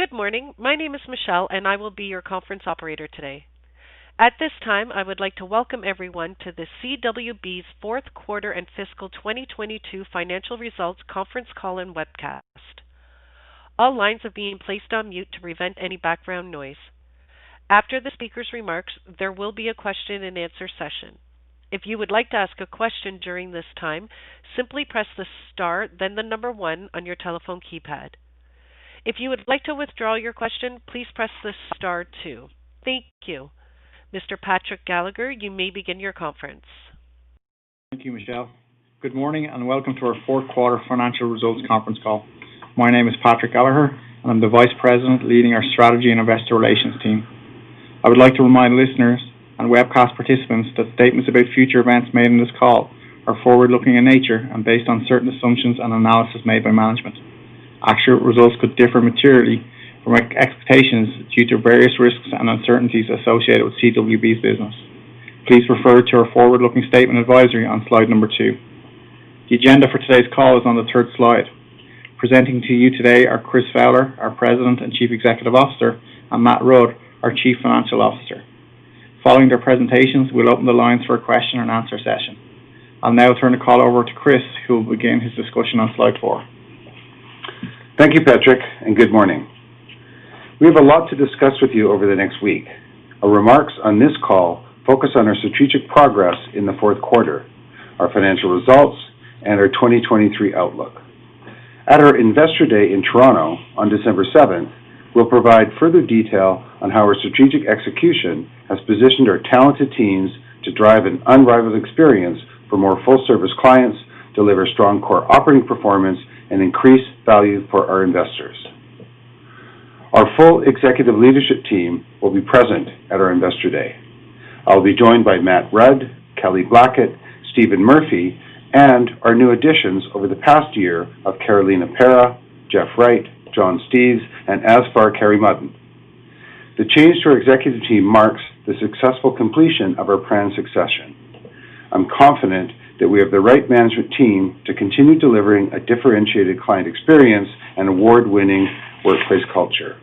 Good morning. My name is Michelle, and I will be your conference operator today. At this time, I would like to welcome everyone to the CWB's Fourth Quarter and Fiscal 2022 Financial Results Conference Call and Webcast. All lines are being placed on mute to prevent any background noise. After the speaker's remarks, there will be a question and answer session. If you would like to ask a question during this time, simply press the star, then the one on your telephone keypad. If you would like to withdraw your question, please press the star two. Thank you. Mr. Patrick Gallagher, you may begin your conference. Thank you, Michelle. Good morning, welcome to our fourth quarter financial results conference call. My name is Patrick Gallagher. I'm the vice president leading our strategy and investor relations team. I would like to remind listeners and webcast participants that statements about future events made in this call are forward-looking in nature and based on certain assumptions and analysis made by management. Actual results could differ materially from expectations due to various risks and uncertainties associated with CWB's business. Please refer to our forward-looking statement advisory on Slide two. The agenda for today's call is on the 3rd slide. Presenting to you today are Chris Fowler, our President and Chief Executive Officer, and Matt Rudd, our Chief Financial Officer. Following their presentations, we'll open the lines for a question and answer session. I'll now turn the call over to Chris, who will begin his discussion on Slide four. Thank you, Patrick, and good morning. We have a lot to discuss with you over the next week. Our remarks on this call focus on our strategic progress in the fourth quarter, our financial results, and our 2023 outlook. At our Investor Day in Toronto on December 7th, we'll provide further detail on how our strategic execution has positioned our talented teams to drive an unrivaled experience for more full-service clients, deliver strong core operating performance, and increase value for our investors. Our full executive leadership team will be present at our Investor Day. I'll be joined by Matt Rudd, Kelly Blackett, Stephen Murphy, and our new additions over the past year of Carolina Parra, Jeff Wright, John Steeves, and Azfar Karimuddin. The change to our executive team marks the successful completion of our planned succession. I'm confident that we have the right management team to continue delivering a differentiated client experience and award-winning workplace culture.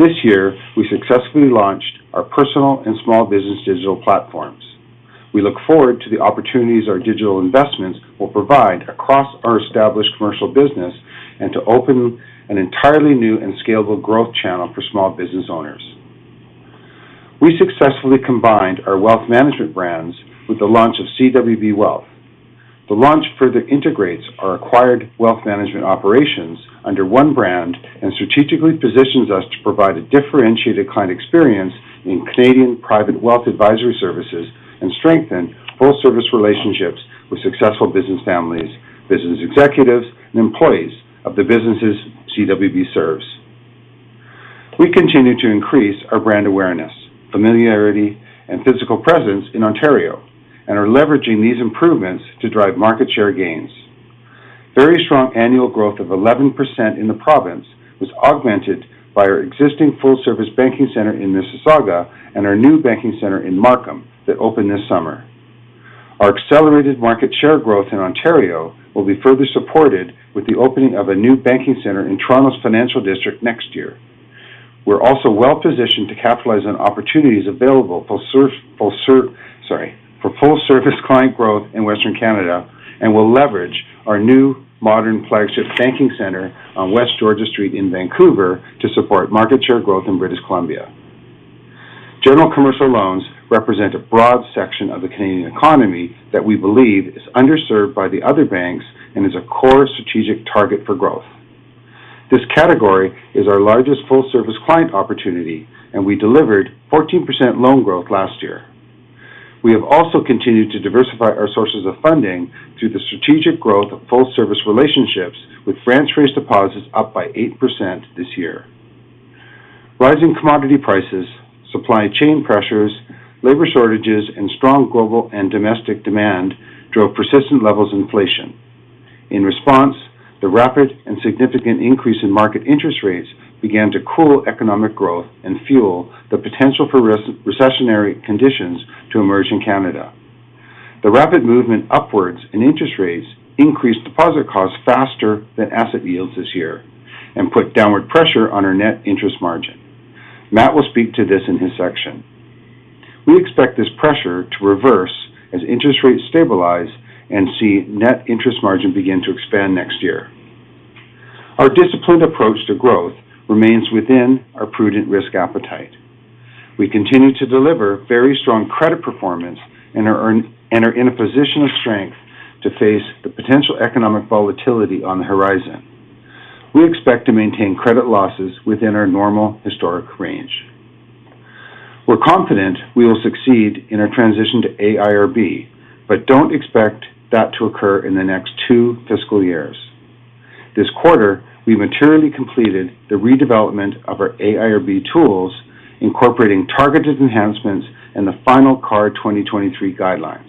This year, we successfully launched our personal and small business digital platforms. We look forward to the opportunities our digital investments will provide across our established commercial business and to open an entirely new and scalable growth channel for small business owners. We successfully combined our wealth management brands with the launch of CWB Wealth. The launch further integrates our acquired wealth management operations under one brand and strategically positions us to provide a differentiated client experience in Canadian private wealth advisory services and strengthen full service relationships with successful business families, business executives, and employees of the businesses CWB serves. We continue to increase our brand awareness, familiarity, and physical presence in Ontario and are leveraging these improvements to drive market share gains. Very strong annual growth of 11% in the province was augmented by our existing full-service banking center in Mississauga and our new banking center in Markham that opened this summer. Our accelerated market share growth in Ontario will be further supported with the opening of a new banking center in Toronto's financial district next year. We're also well-positioned to capitalize on opportunities available sorry. For full service client growth in Western Canada and will leverage our new modern flagship banking center on West Georgia Street in Vancouver to support market share growth in British Columbia. General commercial loans represent a broad section of the Canadian economy that we believe is underserved by the other banks and is a core strategic target for growth. This category is our largest full-service client opportunity. We delivered 14% loan growth last year. We have also continued to diversify our sources of funding through the strategic growth of full service relationships with branch-raised deposits up by 8% this year. Rising commodity prices, supply chain pressures, labor shortages, and strong global and domestic demand drove persistent levels of inflation. In response, the rapid and significant increase in market interest rates began to cool economic growth and fuel the potential for recessionary conditions to emerge in Canada. The rapid movement upwards in interest rates increased deposit costs faster than asset yields this year and put downward pressure on our net interest margin. Matt will speak to this in his section. We expect this pressure to reverse as interest rates stabilize and see net interest margin begin to expand next year. Our disciplined approach to growth remains within our prudent risk appetite. We continue to deliver very strong credit performance and are in a position of strength to face the potential economic volatility on the horizon. We expect to maintain credit losses within our normal historic range. We're confident we will succeed in our transition to AIRB, don't expect that to occur in the next two fiscal years. This quarter, we materially completed the redevelopment of our AIRB tools, incorporating targeted enhancements in the final CAR 2023 guidelines.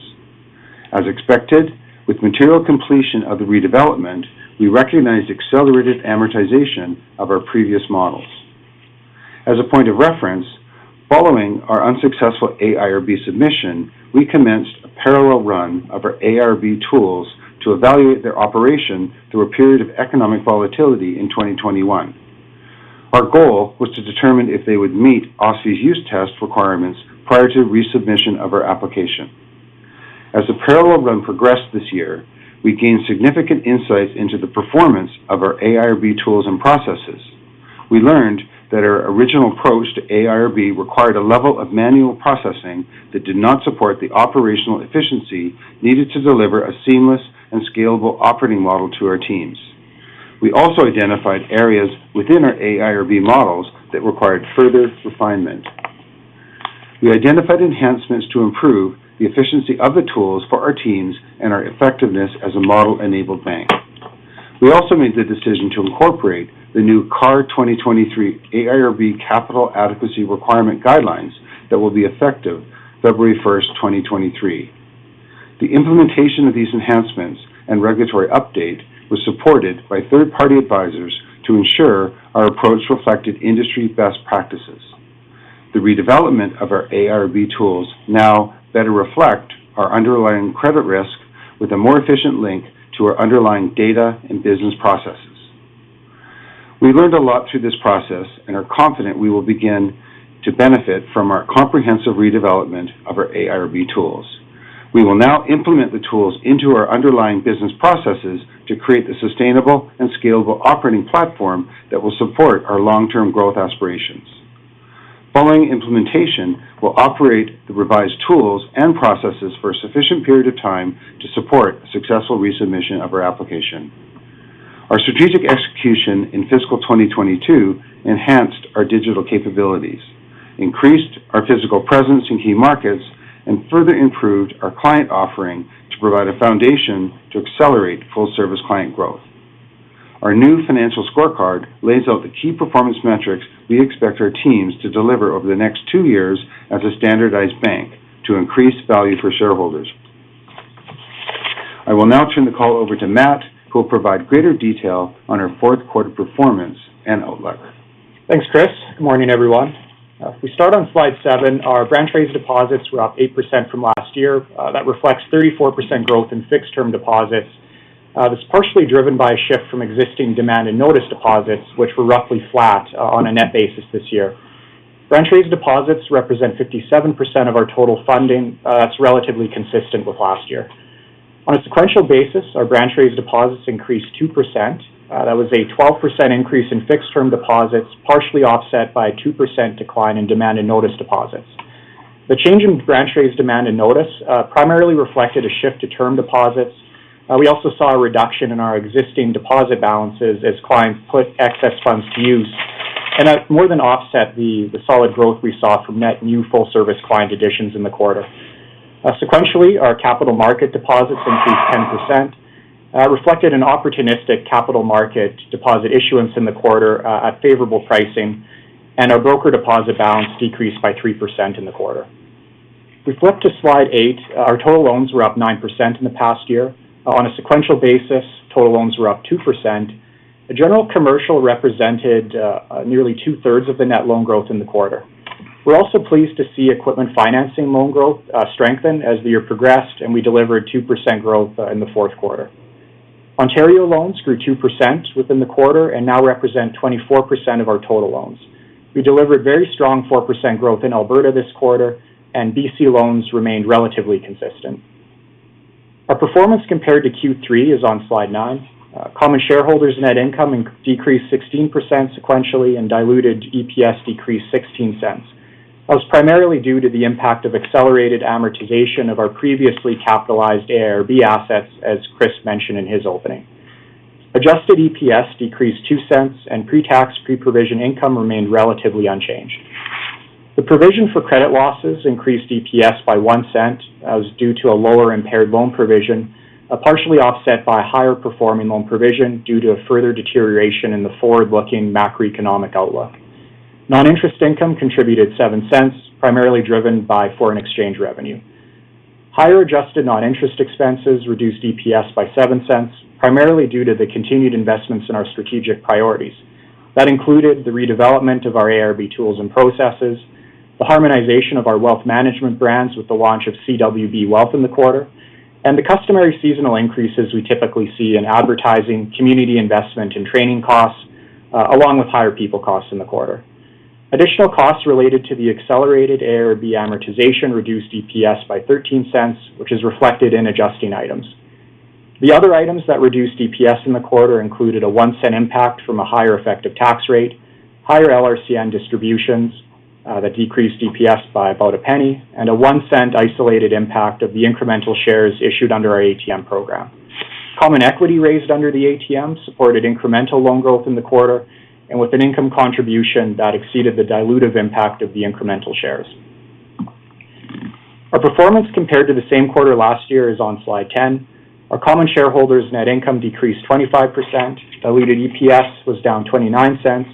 As expected, with material completion of the redevelopment, we recognized accelerated amortization of our previous models. As a point of reference, following our unsuccessful AIRB submission, we commenced a parallel run of our AIRB tools to evaluate their operation through a period of economic volatility in 2021. Our goal was to determine if they would meet OSFI's use test requirements prior to resubmission of our application. As the parallel run progressed this year, we gained significant insights into the performance of our AIRB tools and processes. We learned that our original approach to AIRB required a level of manual processing that did not support the operational efficiency needed to deliver a seamless and scalable operating model to our teams. We also identified areas within our AIRB models that required further refinement. We identified enhancements to improve the efficiency of the tools for our teams and our effectiveness as a model-enabled bank. We also made the decision to incorporate the new CAR 2023 AIRB Capital Adequacy Requirement guidelines that will be effective February 1st, 2023. The implementation of these enhancements and regulatory update was supported by third-party advisors to ensure our approach reflected industry best practices. The redevelopment of our AIRB tools now better reflect our underlying credit risk with a more efficient link to our underlying data and business processes. We learned a lot through this process and are confident we will begin to benefit from our comprehensive redevelopment of our AIRB tools. We will now implement the tools into our underlying business processes to create the sustainable and scalable operating platform that will support our long-term growth aspirations. Following implementation, we'll operate the revised tools and processes for a sufficient period of time to support successful resubmission of our application. Our strategic execution in fiscal 2022 enhanced our digital capabilities, increased our physical presence in key markets, and further improved our client offering to provide a foundation to accelerate full service client growth. Our new financial scorecard lays out the key performance metrics we expect our teams to deliver over the next two years as a standardized bank to increase value for shareholders. I will now turn the call over to Matt, who will provide greater detail on our fourth quarter performance and outlook. Thanks, Chris. Good morning, everyone. If we start on Slide seven, our branch raised deposits were up 8% from last year. That reflects 34% growth in fixed term deposits. That's partially driven by a shift from existing demand and notice deposits, which were roughly flat on a net basis this year. Branch raised deposits represent 57% of our total funding. That's relatively consistent with last year. On a sequential basis, our branch raised deposits increased 2%. That was a 12% increase in fixed term deposits, partially offset by 2% decline in demand and notice deposits. The change in branch raised demand and notice primarily reflected a shift to term deposits. We also saw a reduction in our existing deposit balances as clients put excess funds to use and that more than offset the solid growth we saw from net new full service client additions in the quarter. Sequentially, our capital market deposits increased 10%, reflected an opportunistic capital market deposit issuance in the quarter at favorable pricing, and our broker deposit balance decreased by 3% in the quarter. If we flip to Slide eight, our total loans were up 9% in the past year. On a sequential basis, total loans were up 2%. The general commercial represented nearly 2/3 of the net loan growth in the quarter. We're also pleased to see equipment financing loan growth strengthen as the year progressed, and we delivered 2% growth in the fourth quarter. Ontario loans grew 2% within the quarter and now represent 24% of our total loans. We delivered very strong 4% growth in Alberta this quarter, and BC loans remained relatively consistent. Common shareholders' net income decreased 16% sequentially, and diluted EPS decreased 0.16. That was primarily due to the impact of accelerated amortization of our previously capitalized AIRB assets, as Chris mentioned in his opening. Adjusted EPS decreased 0.02, and pre-tax, pre-provision income remained relatively unchanged. The provision for credit losses increased EPS by 0.01. That was due to a lower impaired loan provision, partially offset by higher performing loan provision due to a further deterioration in the forward-looking macroeconomic outlook. Non-interest income contributed 0.07, primarily driven by foreign exchange revenue. Higher adjusted non-interest expenses reduced EPS by $0.07, primarily due to the continued investments in our strategic priorities. That included the redevelopment of our AIRB tools and processes, the harmonization of our wealth management brands with the launch of CWB Wealth in the quarter, and the customary seasonal increases we typically see in advertising, community investment, and training costs, along with higher people costs in the quarter. Additional costs related to the accelerated AIRB amortization reduced EPS by $0.13, which is reflected in adjusting items. The other items that reduced EPS in the quarter included a $0.01 impact from a higher effective tax rate, higher LRCN distributions that decreased EPS by about $0.01, and a $0.01 isolated impact of the incremental shares issued under our ATM program. Common equity raised under the ATM supported incremental loan growth in the quarter and with an income contribution that exceeded the dilutive impact of the incremental shares. Our performance compared to the same quarter last year is on Slide 10. Our common shareholders' net income decreased 25%. Diluted EPS was down 0.29. That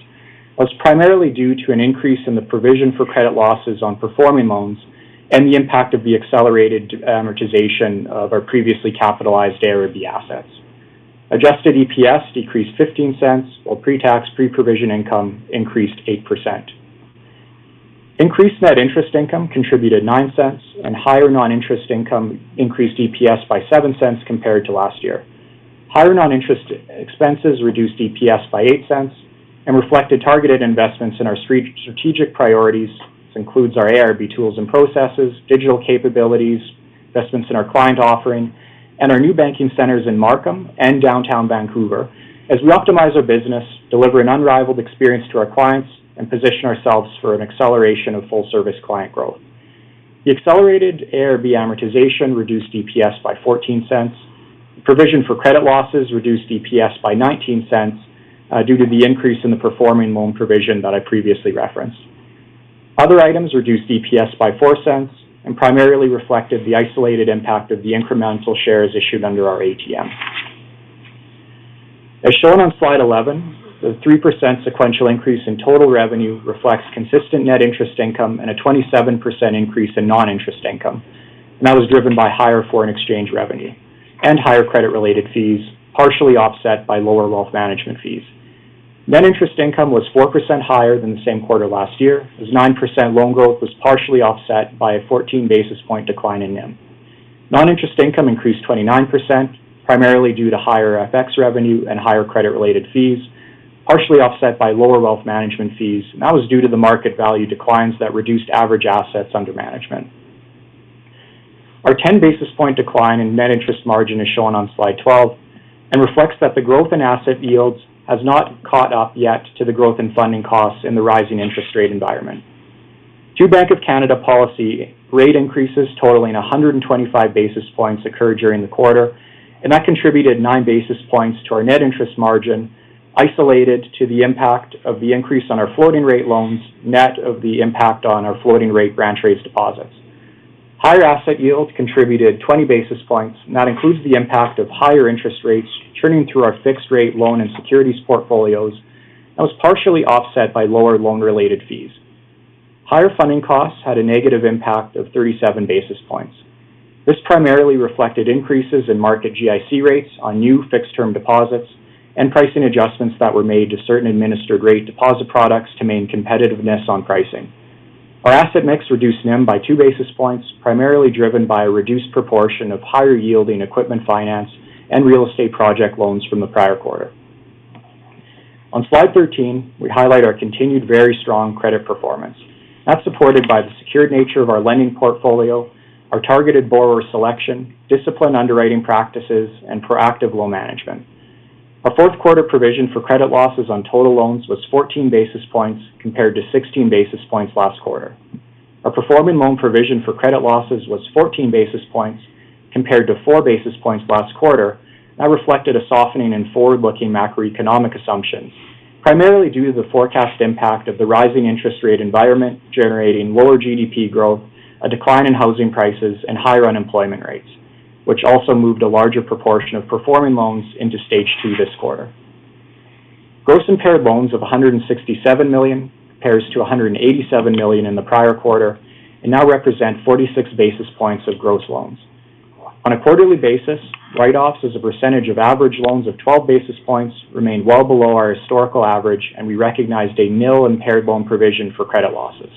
was primarily due to an increase in the provision for credit losses on performing loans and the impact of the accelerated amortization of our previously capitalized AIRB assets. Adjusted EPS decreased 0.15 while Pre-tax, pre-provision income increased 8%. Increased net interest income contributed 0.09 and higher non-interest income increased EPS by 0.07 compared to last year. Higher non-interest ex-expenses reduced EPS by 0.08 and reflected targeted investments in our three strategic priorities. This includes our ARB tools and processes, digital capabilities, investments in our client offering, and our new banking centers in Markham and downtown Vancouver as we optimize our business, deliver an unrivaled experience to our clients, and position ourselves for an acceleration of full service client growth. The accelerated ARB amortization reduced EPS by $0.14. Provision for credit losses reduced EPS by $0.19 due to the increase in the performing loan provision that I previously referenced. Other items reduced EPS by $0.04 and primarily reflected the isolated impact of the incremental shares issued under our ATM. As shown on Slide 11, the 3% sequential increase in total revenue reflects consistent net interest income and a 27% increase in non-interest income. That was driven by higher foreign exchange revenue and higher credit-related fees, partially offset by lower wealth management fees. Net interest income was 4% higher than the same quarter last year, as 9% loan growth was partially offset by a 14 basis point decline in NIM. Non-interest income increased 29%, primarily due to higher FX revenue and higher credit-related fees, partially offset by lower wealth management fees. That was due to the market value declines that reduced average assets under management. Our 10 basis point decline in net interest margin is shown on Slide 12 and reflects that the growth in asset yields has not caught up yet to the growth in funding costs in the rising interest rate environment. Two Bank of Canada policy rate increases totaling 125 basis points occurred during the quarter, and that contributed 9 basis points to our net interest margin, isolated to the impact of the increase on our floating rate loans, net of the impact on our floating rate branch rates deposits. Higher asset yield contributed 20 basis points, and that includes the impact of higher interest rates churning through our fixed rate loan and securities portfolios, and was partially offset by lower loan-related fees. Higher funding costs had a negative impact of 37 basis points. This primarily reflected increases in market GIC rates on new fixed term deposits and pricing adjustments that were made to certain administered rate deposit products to main competitiveness on pricing. Our asset mix reduced NIM by 2 basis points, primarily driven by a reduced proportion of higher yielding equipment finance and real estate project loans from the prior quarter. On Slide 13, we highlight our continued very strong credit performance. That's supported by the secured nature of our lending portfolio, our targeted borrower selection, disciplined underwriting practices, and proactive loan management. Our fourth quarter provision for credit losses on total loans was 14 basis points compared to 16 basis points last quarter. Our performing loan provision for credit losses was 14 basis points compared to 4 basis points last quarter. That reflected a softening in forward-looking macroeconomic assumptions, primarily due to the forecast impact of the rising interest rate environment generating lower GDP growth, a decline in housing prices, and higher unemployment rates, which also moved a larger proportion of performing loans into Stage 2 this quarter. Gross impaired loans of 167 million compares to 187 million in the prior quarter and now represent 46 basis points of gross loans. On a quarterly basis, write-offs as a percentage of average loans of 12 basis points remained well below our historical average, and we recognized a nil impaired loan provision for credit losses.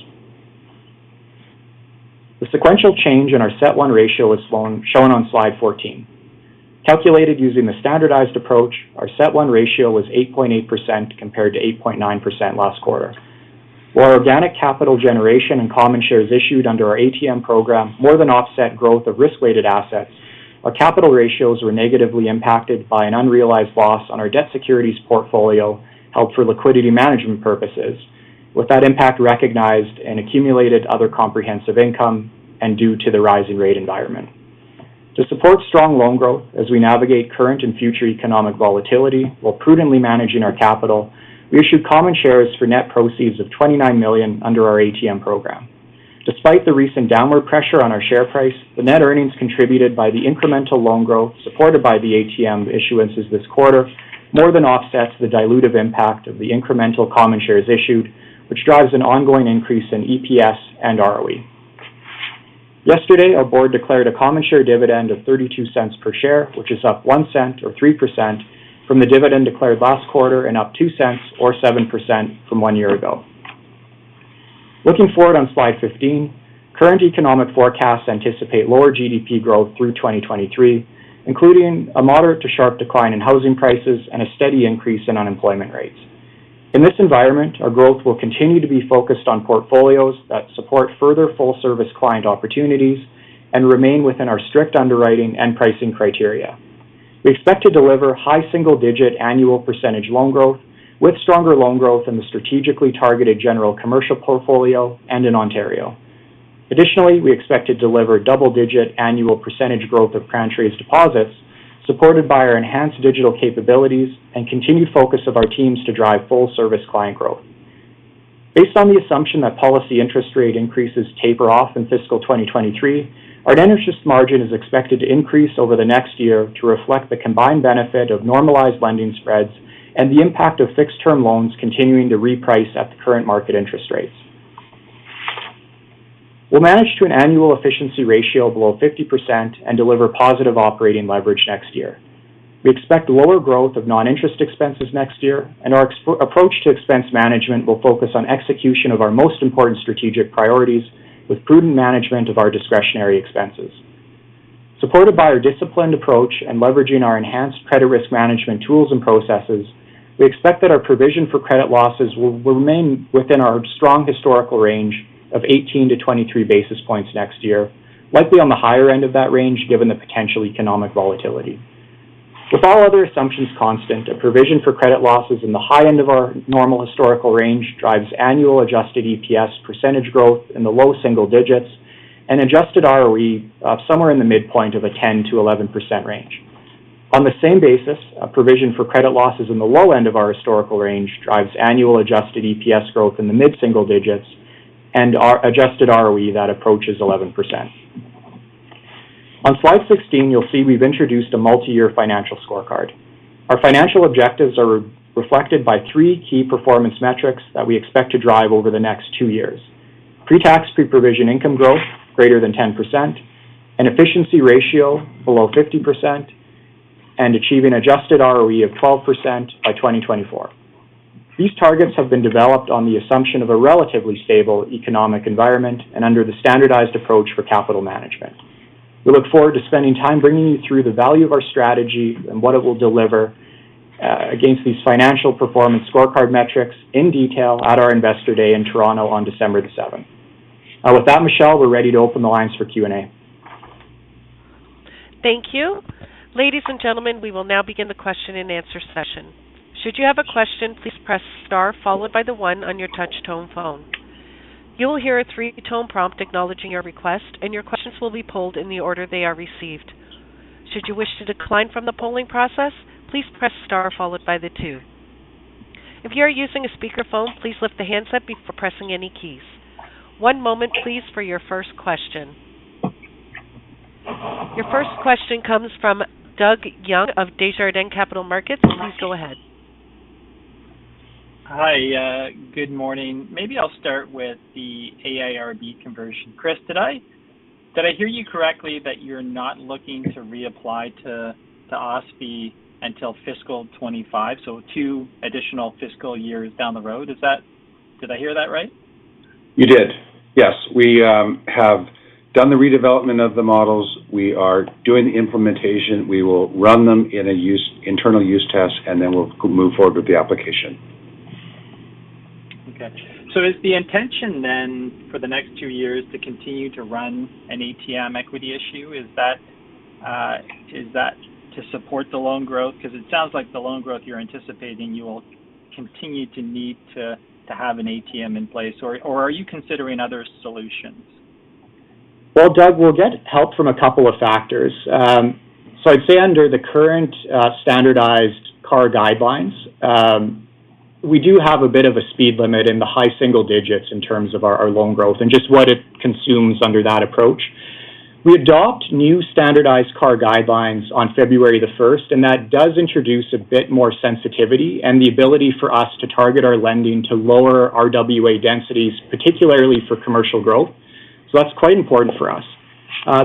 The sequential change in our CET1 ratio is shown on Slide 14. Calculated using the standardized approach, our CET1 ratio was 8.8% compared to 8.9% last quarter. While our organic capital generation and common shares issued under our ATM program more than offset growth of risk-weighted assets, our capital ratios were negatively impacted by an unrealized loss on our debt securities portfolio held for liquidity management purposes. With that impact recognized and accumulated other comprehensive income and due to the rising rate environment. To support strong loan growth as we navigate current and future economic volatility while prudently managing our capital, we issued common shares for net proceeds of $29 million under our ATM program. Despite the recent downward pressure on our share price, the net earnings contributed by the incremental loan growth supported by the ATM issuances this quarter more than offsets the dilutive impact of the incremental common shares issued, which drives an ongoing increase in EPS and ROE. Yesterday, our board declared a common share dividend of $0.32 per share, which is up $0.01 or 3% from the dividend declared last quarter and up $0.02 or 7% from one year ago. Looking forward on Slide 15, current economic forecasts anticipate lower GDP growth through 2023, including a moderate to sharp decline in housing prices and a steady increase in unemployment rates. In this environment, our growth will continue to be focused on portfolios that support further full service client opportunities and remain within our strict underwriting and pricing criteria. We expect to deliver high single digit annual % loan growth with stronger loan growth in the strategically targeted general commercial portfolio and in Ontario. Additionally, we expect to deliver double digit annual % growth of branch rates deposits supported by our enhanced digital capabilities and continued focus of our teams to drive full service client growth. Based on the assumption that policy interest rate increases taper off in fiscal 2023, our net interest margin is expected to increase over the next year to reflect the combined benefit of normalized lending spreads and the impact of fixed term loans continuing to reprice at the current market interest rates. We'll manage to an annual efficiency ratio below 50% and deliver positive operating leverage next year. We expect lower growth of non-interest expenses next year. Our ex-approach to expense management will focus on execution of our most important strategic priorities with prudent management of our discretionary expenses. Supported by our disciplined approach and leveraging our enhanced credit risk management tools and processes, we expect that our provision for credit losses will remain within our strong historical range of 18 to 23 basis points next year, likely on the higher end of that range, given the potential economic volatility. With all other assumptions constant, a provision for credit losses in the high end of our normal historical range drives annual adjusted EPS percentage growth in the low single digits and adjusted ROE somewhere in the midpoint of a 10%-11% range. On the same basis, a provision for credit losses in the low end of our historical range drives annual adjusted EPS growth in the mid-single digits and our adjusted ROE that approaches 11%. On Slide 16, you'll see we've introduced a multiyear financial scorecard. Our financial objectives are reflected by three key performance metrics that we expect to drive over the next 2 years: pre-tax, pre-provision income growth greater than 10%; an efficiency ratio below 50%; and achieving adjusted ROE of 12% by 2024. These targets have been developed on the assumption of a relatively stable economic environment and under the standardized approach for capital management. We look forward to spending time bringing you through the value of our strategy and what it will deliver against these financial performance scorecard metrics in detail at our Investor Day in Toronto on December 7th. With that, Michelle, we're ready to open the lines for Q&A. Thank you. Ladies and gentlemen, we will now begin the question-and-answer session. Should you have a question, please press star followed by the one on your touch tone phone. You will hear a 3-tone prompt acknowledging your request, and your questions will be polled in the order they are received. Should you wish to decline from the polling process, please press star followed by the two. If you are using a speakerphone, please lift the handset before pressing any keys. One moment, please, for your first question. Your first question comes from Doug Young of Desjardins Capital Markets. Please go ahead. Hi. good morning. Maybe I'll start with the AIRB conversion. Chris, did I hear you correctly that you're not looking to reapply to OSFI until fiscal 25, so two additional fiscal years down the road? Did I hear that right? You did. Yes. We have done the redevelopment of the models. We are doing the implementation. We will run them in a internal use test, and then we'll move forward with the application. Okay. Is the intention then, for the next two years, to continue to run an ATM equity issue? Is that, is that to support the loan growth? It sounds like the loan growth you're anticipating you will continue to need to have an ATM in place, or are you considering other solutions? Well, Doug, we'll get help from a couple of factors. I'd say under the current standardized CAR guidelines, we do have a bit of a speed limit in the high single digits in terms of our loan growth and just what it consumes under that approach. We adopt new standardized CAR guidelines on February 1st, That does introduce a bit more sensitivity and the ability for us to target our lending to lower RWA densities, particularly for commercial growth. That's quite important for us.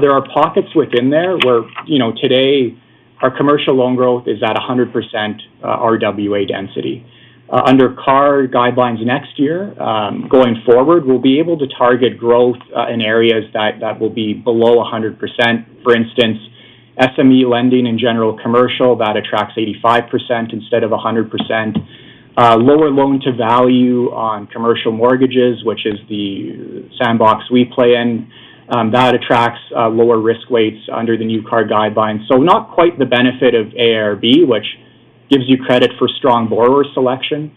There are pockets within there where, you know, today, our commercial loan growth is at 100% RWA density. Under CAR guidelines next year, going forward, we'll be able to target growth in areas that will be below 100%. For instance, SME lending and general commercial, that attracts 85% instead of 100%. Lower loan-to-value on commercial mortgages, which is the sandbox we play in, that attracts lower risk weights under the new CAR guidelines. Not quite the benefit of AIRB, which gives you credit for strong borrower selection,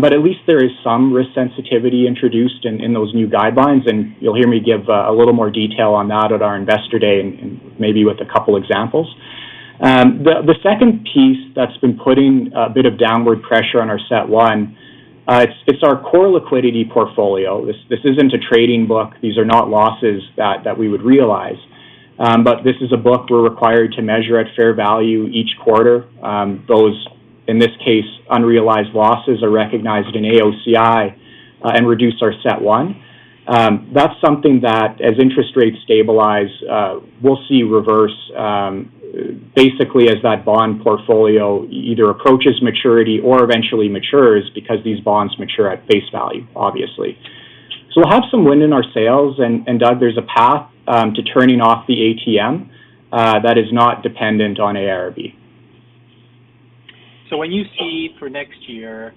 but at least there is some risk sensitivity introduced in those new guidelines. You'll hear me give a little more detail on that at our Investor Day and maybe with a couple examples. The second piece that's been putting a bit of downward pressure on our CET1, it's our core liquidity portfolio. This isn't a trading book. These are not losses that we would realize. This is a book we're required to measure at fair value each quarter. Those, in this case, unrealized losses are recognized in AOCI and reduce our CET1. That's something that as interest rates stabilize, we'll see reverse, basically as that bond portfolio either approaches maturity or eventually matures because these bonds mature at face value, obviously. We'll have some wind in our sails, and Doug, there's a path to turning off the ATM that is not dependent on AIRB. When you see for next year,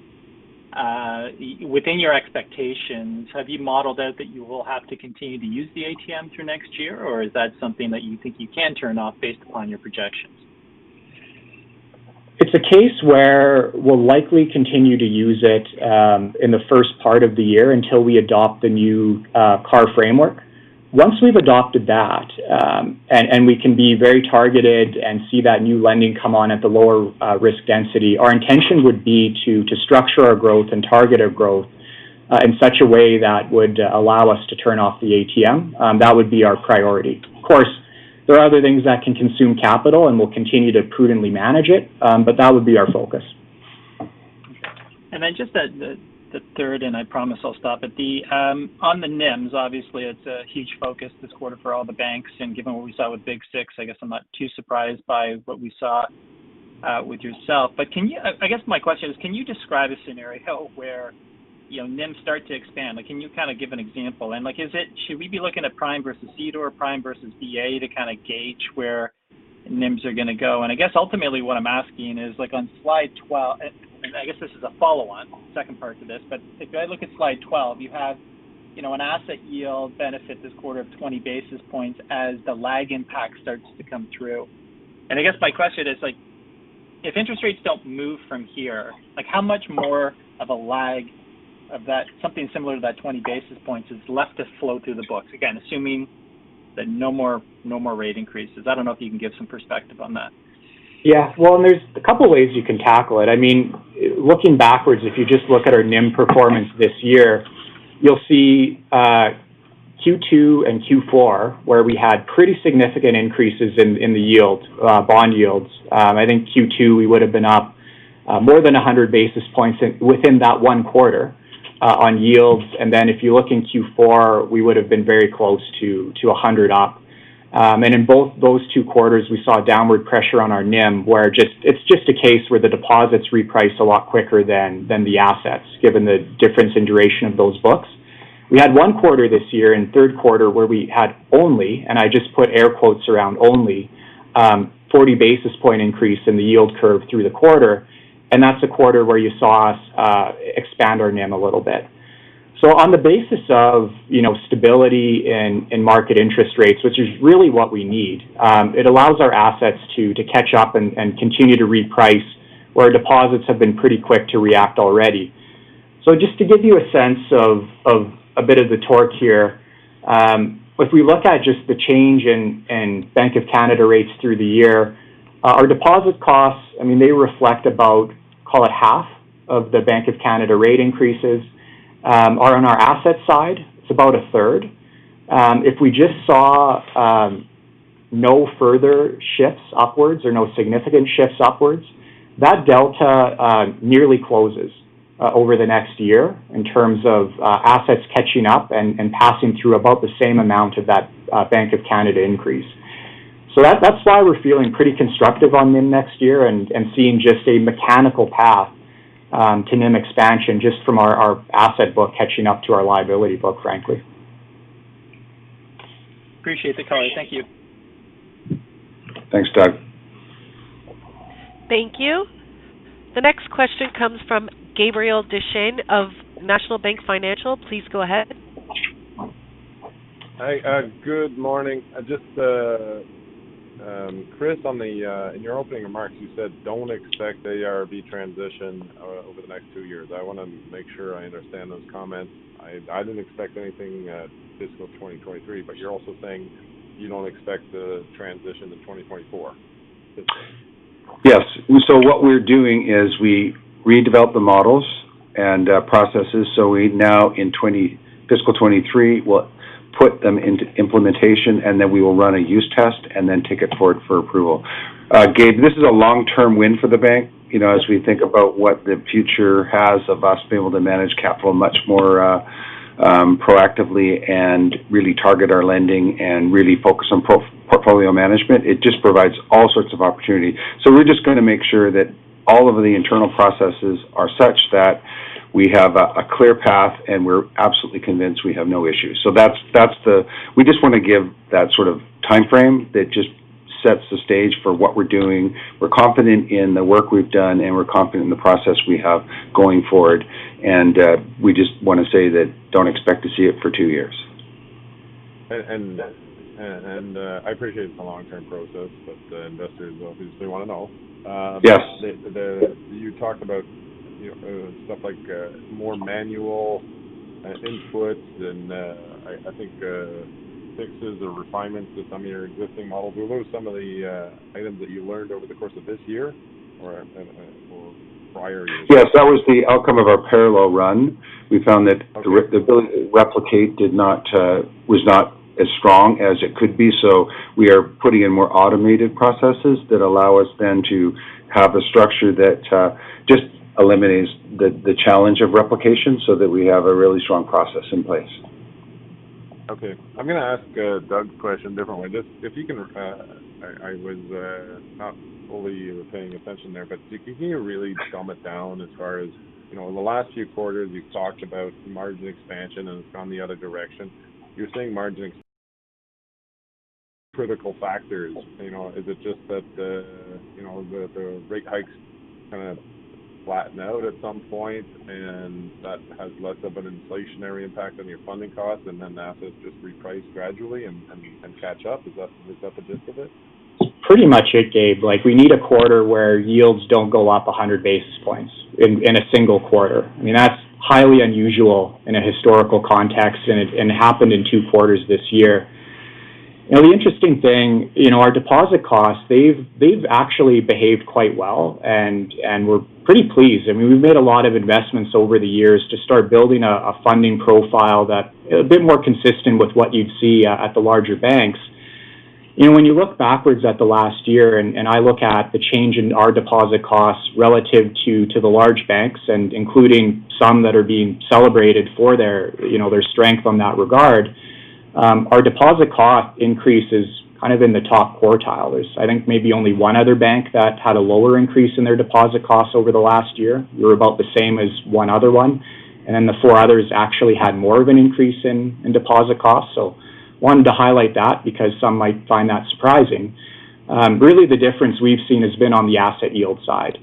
within your expectations, have you modeled out that you will have to continue to use the ATM through next year, or is that something that you think you can turn off based upon your projections? It's a case where we'll likely continue to use it, in the first part of the year until we adopt the new CAR framework. Once we've adopted that, and we can be very targeted and see that new lending come on at the lower risk density, our intention would be to structure our growth and target our growth, in such a way that would allow us to turn off the ATM. That would be our priority. Of course, there are other things that can consume capital, and we'll continue to prudently manage it, but that would be our focus. Then just that the third, and I promise I'll stop. At the, on the NIMs, obviously, it's a huge focus this quarter for all the banks, and given what we saw with Big Six, I guess I'm not too surprised by what we saw with yourself. I guess my question is, can you describe a scenario where, you know, NIMs start to expand? Like, can you kind of give an example? And, like, should we be looking at prime versus CDOR or prime versus BA to kind of gauge where NIMs are gonna go? I guess ultimately what I'm asking is, like, on Slide 12. I guess this is a follow-on second part to this. If I look at Slide 12, you have, you know, an asset yield benefit this quarter of 20 basis points as the lag impact starts to come through. I guess my question is, like, if interest rates don't move from here, like, how much more of a lag of that, something similar to that 20 basis points is left to flow through the books? Again, assuming that no more rate increases. I don't know if you can give some perspective on that? Well, there's a couple ways you can tackle it. I mean, looking backwards, if you just look at our NIM performance this year, you'll see Q2 and Q4, where we had pretty significant increases in the yield, bond yields. I think Q2, we would've been up more than 100 basis points within that one quarter on yields. Then if you look in Q4, we would've been very close to 100 up. In both those two quarters, we saw downward pressure on our NIM, where it's just a case where the deposits reprice a lot quicker than the assets, given the difference in duration of those books. We had one quarter this year in third quarter where we had only, and I just put air quotes around only, 40 basis point increase in the yield curve through the quarter, and that's the quarter where you saw us expand our NIM a little bit. On the basis of, you know, stability in market interest rates, which is really what we need, it allows our assets to catch up and continue to reprice, where deposits have been pretty quick to react already. Just to give you a sense of a bit of the torque here, if we look at just the change in Bank of Canada rates through the year, our deposit costs, I mean, they reflect about, call it, half of the Bank of Canada rate increases. On our asset side, it's about a third. If we just saw, no further shifts upwards or no significant shifts upwards, that delta, nearly closes over the next year in terms of, assets catching up and passing through about the same amount of that, Bank of Canada increase. That's why we're feeling pretty constructive on NIM next year and seeing just a mechanical path, to NIM expansion just from our asset book catching up to our liability book, frankly. Appreciate the color. Thank you. Thanks, Doug. Thank you. The next question comes from Gabriel Dechaine of National Bank Financial. Please go ahead. Hi. Good morning. Just Chris, on the in your opening remarks, you said don't expect AIRB transition over the next two years. I wanna make sure I understand those comments. I didn't expect anything at fiscal 2023. You're also saying you don't expect the transition to 2024. Yes. What we're doing is we redevelop the models and processes. We now in fiscal 2023, we'll put them into implementation, and then we will run a use test and then take it forward for approval. Gabe, this is a long-term win for the bank. You know, as we think about what the future has of us being able to manage capital much more proactively and really target our lending and really focus on portfolio management, it just provides all sorts of opportunity. We're just gonna make sure that all of the internal processes are such that we have a clear path, and we're absolutely convinced we have no issues. That's the. We just wanna give that sort of timeframe that just sets the stage for what we're doing. We're confident in the work we've done, and we're confident in the process we have going forward. We just wanna say that don't expect to see it for two years. I appreciate it's a long-term process, but the investors obviously wanna know. Yes. You talked about, you know, stuff like, more manual, inputs and, I think, fixes or refinements to some of your existing models. Were those some of the items that you learned over the course of this year or prior years? Yes, that was the outcome of our parallel run. We found. Okay. The ability to replicate did not was not as strong as it could be. We are putting in more automated processes that allow us then to have a structure that just eliminates the challenge of replication so that we have a really strong process in place. Okay. I'm gonna ask Doug's question differently. Just if you can I was not fully paying attention there, but can you really dumb it down as far as, you know, in the last few quarters, you've talked about margin expansion, and it's gone the other direction. You're seeing margin expansion, critical factors. You know, is it just that, you know, the rate hikes kinda flatten out at some point, and that has less of an inflationary impact on your funding costs, and then the assets just reprice gradually and, I mean, and catch up? Is that the gist of it? Pretty much it, Gabe. Like, we need a quarter where yields don't go up 100 basis points in a single quarter. I mean, that's highly unusual in a historical context, and it happened in two quarters this year. You know, the interesting thing, you know, our deposit costs, they've actually behaved quite well, and we're pretty pleased. I mean, we've made a lot of investments over the years to start building a funding profile that a bit more consistent with what you'd see at the larger banks. You know, when you look backwards at the last year, and I look at the change in our deposit costs relative to the large banks, and including some that are being celebrated for their, you know, their strength on that regard, our deposit cost increase is kind of in the top quartile. There's, I think, maybe only one other bank that had a lower increase in their deposit costs over the last year. We're about the same as one other one, and then the four others actually had more of an increase in deposit costs. Wanted to highlight that because some might find that surprising. Really the difference we've seen has been on the asset yield side.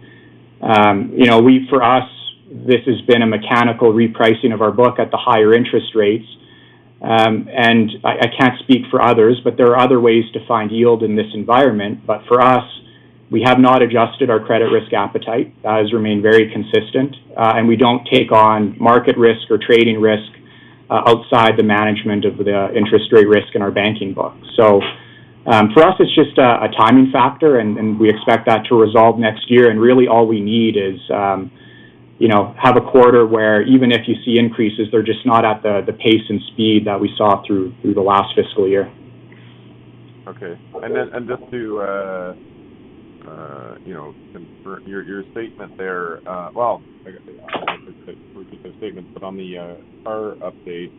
You know, for us, this has been a mechanical repricing of our book at the higher interest rates. I can't speak for others, but there are other ways to find yield in this environment. For us, we have not adjusted our credit risk appetite. That has remained very consistent. We don't take on market risk or trading risk, outside the management of the interest rate risk in our banking book. For us, it's just a timing factor and we expect that to resolve next year. Really all we need is, you know, have a quarter where even if you see increases, they're just not at the pace and speed that we saw through the last fiscal year. Okay. Just to, you know, confirm your statement there, well, I guess I won't refer to it as statement, but on the CAR update,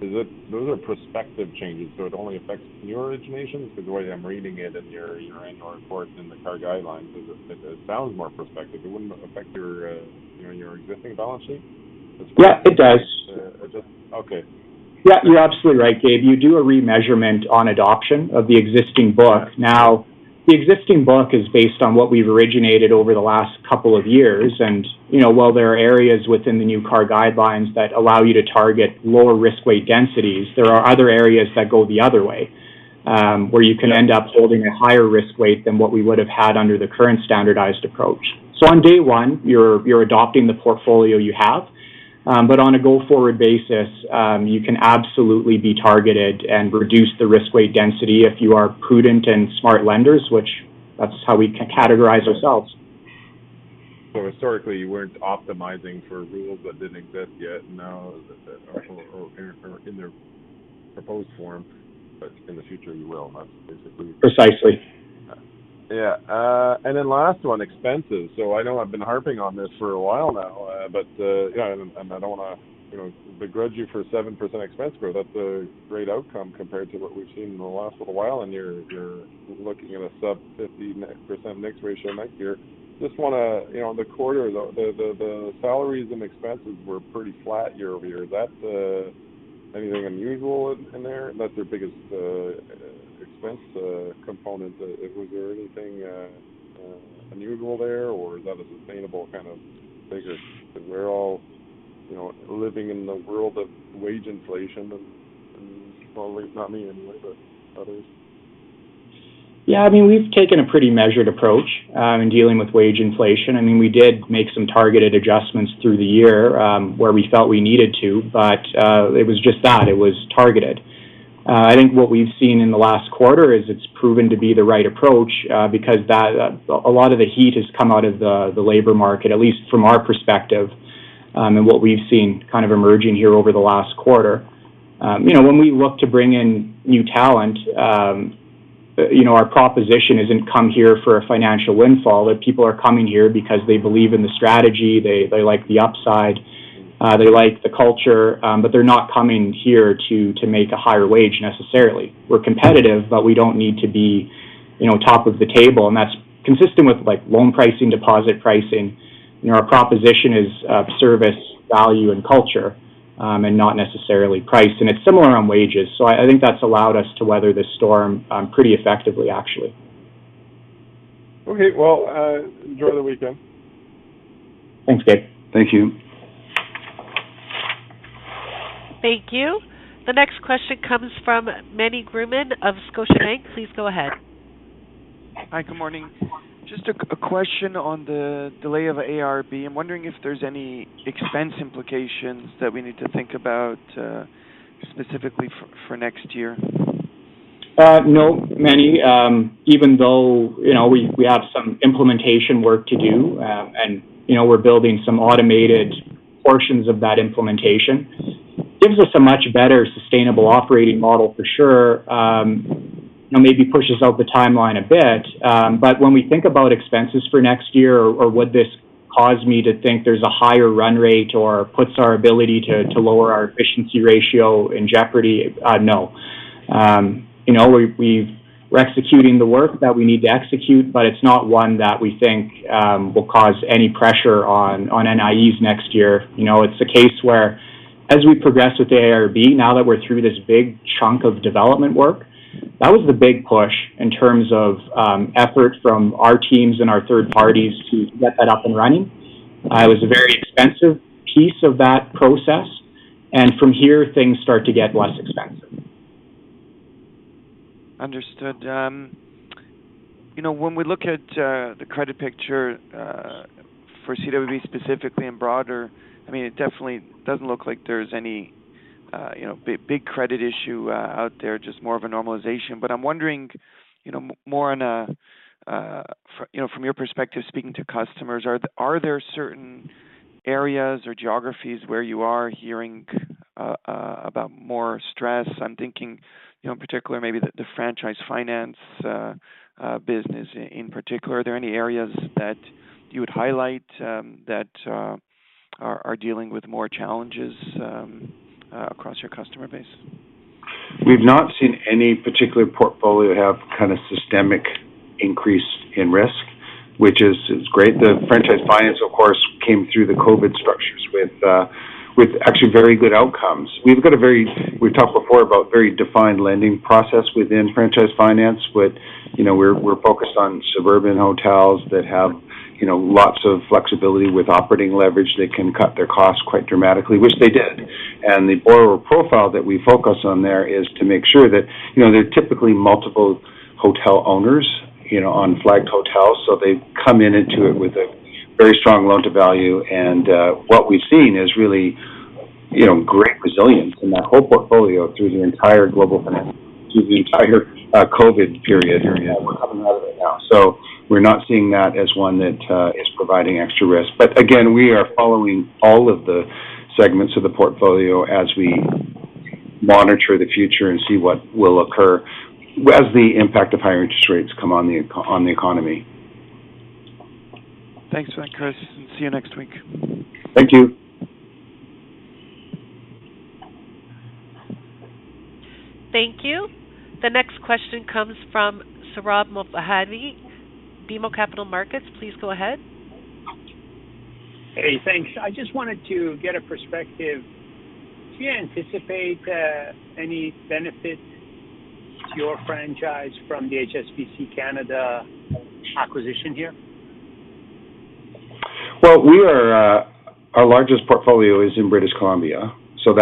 is it, those are prospective changes, so it only affects new originations? 'Cause the way I'm reading it in your annual report and the CAR guidelines is it sounds more prospective. It wouldn't affect your, you know, your existing balance sheet? Yeah, it does. It does? Okay. Yeah, you're absolutely right, Gabe. You do a remeasurement on adoption of the existing book. Now, the existing book is based on what we've originated over the last couple of years. You know, while there are areas within the new CAR guidelines that allow you to target lower risk weight densities, there are other areas that go the other way, where you can end up holding a higher risk weight than what we would have had under the current standardized approach. On day one, you're adopting the portfolio you have. On a go-forward basis, you can absolutely be targeted and reduce the risk weight density if you are prudent and smart lenders, which that's how we categorize ourselves. Historically, you weren't optimizing for rules that didn't exist yet, now that are in their proposed form, but in the future, you will. That's basically- Precisely. Yeah. Last one, expenses. I know I've been harping on this for a while now, I don't wanna, you know, begrudge you for 7% expense growth. That's a great outcome compared to what we've seen in the last little while, and you're looking at a sub-50% mix ratio next year. Just wanna, you know, on the quarter, the salaries and expenses were pretty flat year-over-year. Is that anything unusual in there? That's your biggest expense component. Was there anything unusual there, or is that a sustainable kind of figure? We're all, you know, living in the world of wage inflation and well, not me anyway, but others. Yeah, I mean, we've taken a pretty measured approach in dealing with wage inflation. I mean, we did make some targeted adjustments through the year where we felt we needed to, but it was just that. It was targeted. I think what we've seen in the last quarter is it's proven to be the right approach because that a lot of the heat has come out of the labor market, at least from our perspective, and what we've seen kind of emerging here over the last quarter. You know, when we look to bring in new talent, you know, our proposition isn't come here for a financial windfall. The people are coming here because they believe in the strategy, they like the upside, they like the culture, but they're not coming here to make a higher wage necessarily. We're competitive, but we don't need to be, you know, top of the table, and that's consistent with like loan pricing, deposit pricing. You know, our proposition is service, value, and culture, and not necessarily price. It's similar on wages. I think that's allowed us to weather this storm, pretty effectively actually. Okay. Well, enjoy the weekend. Thanks, Gabriel. Thank you. Thank you. The next question comes from Meny Grauman of Scotiabank. Please go ahead. Hi. Good morning. Just a question on the delay of AIRB. I'm wondering if there's any expense implications that we need to think about, specifically for next year. No, Meny. Even though, you know, we have some implementation work to do, and, you know, we're building some automated portions of that implementation, gives us a much better sustainable operating model for sure. You know, maybe pushes out the timeline a bit. When we think about expenses for next year or would this cause me to think there's a higher run rate or puts our ability to lower our efficiency ratio in jeopardy, no. You know, we're executing the work that we need to execute, but it's not one that we think will cause any pressure on NIEs next year. You know, it's a case where as we progress with the AIRB, now that we're through this big chunk of development work, that was the big push in terms of effort from our teams and our third parties to get that up and running. It was a very expensive piece of that process. From here, things start to get less expensive. Understood. You know, when we look at, the credit picture, for CWB specifically and broader, I mean, it definitely doesn't look like there's any, you know, big credit issue, out there, just more of a normalization. I'm wondering You know, more on a, you know, from your perspective speaking to customers, are there certain areas or geographies where you are hearing about more stress? I'm thinking, you know, in particular maybe the franchise finance business in particular. Are there any areas that you would highlight that are dealing with more challenges across your customer base? We've not seen any particular portfolio have kind of systemic increase in risk, which is great. The franchise finance, of course, came through the COVID structures with actually very good outcomes. We've talked before about very defined lending process within franchise finance. You know, we're focused on suburban hotels that have, you know, lots of flexibility with operating leverage that can cut their costs quite dramatically, which they did. The borrower profile that we focus on there is to make sure that, you know, they're typically multiple hotel owners, you know, on flagged hotels, so they come into it with a very strong loan-to-value. What we've seen is really, you know, great resilience in that whole portfolio through the entire COVID period that we're coming out of it now. We're not seeing that as one that is providing extra risk. But again, we are following all of the segments of the portfolio as we monitor the future and see what will occur as the impact of higher interest rates come on the economy. Thanks for that, Chris, and see you next week. Thank you. Thank you. The next question comes from Sohrab Movahedi, BMO Capital Markets. Please go ahead. Hey, thanks. I just wanted to get a perspective. Do you anticipate any benefit to your franchise from the HSBC Canada acquisition here? Our largest portfolio is in British Columbia, so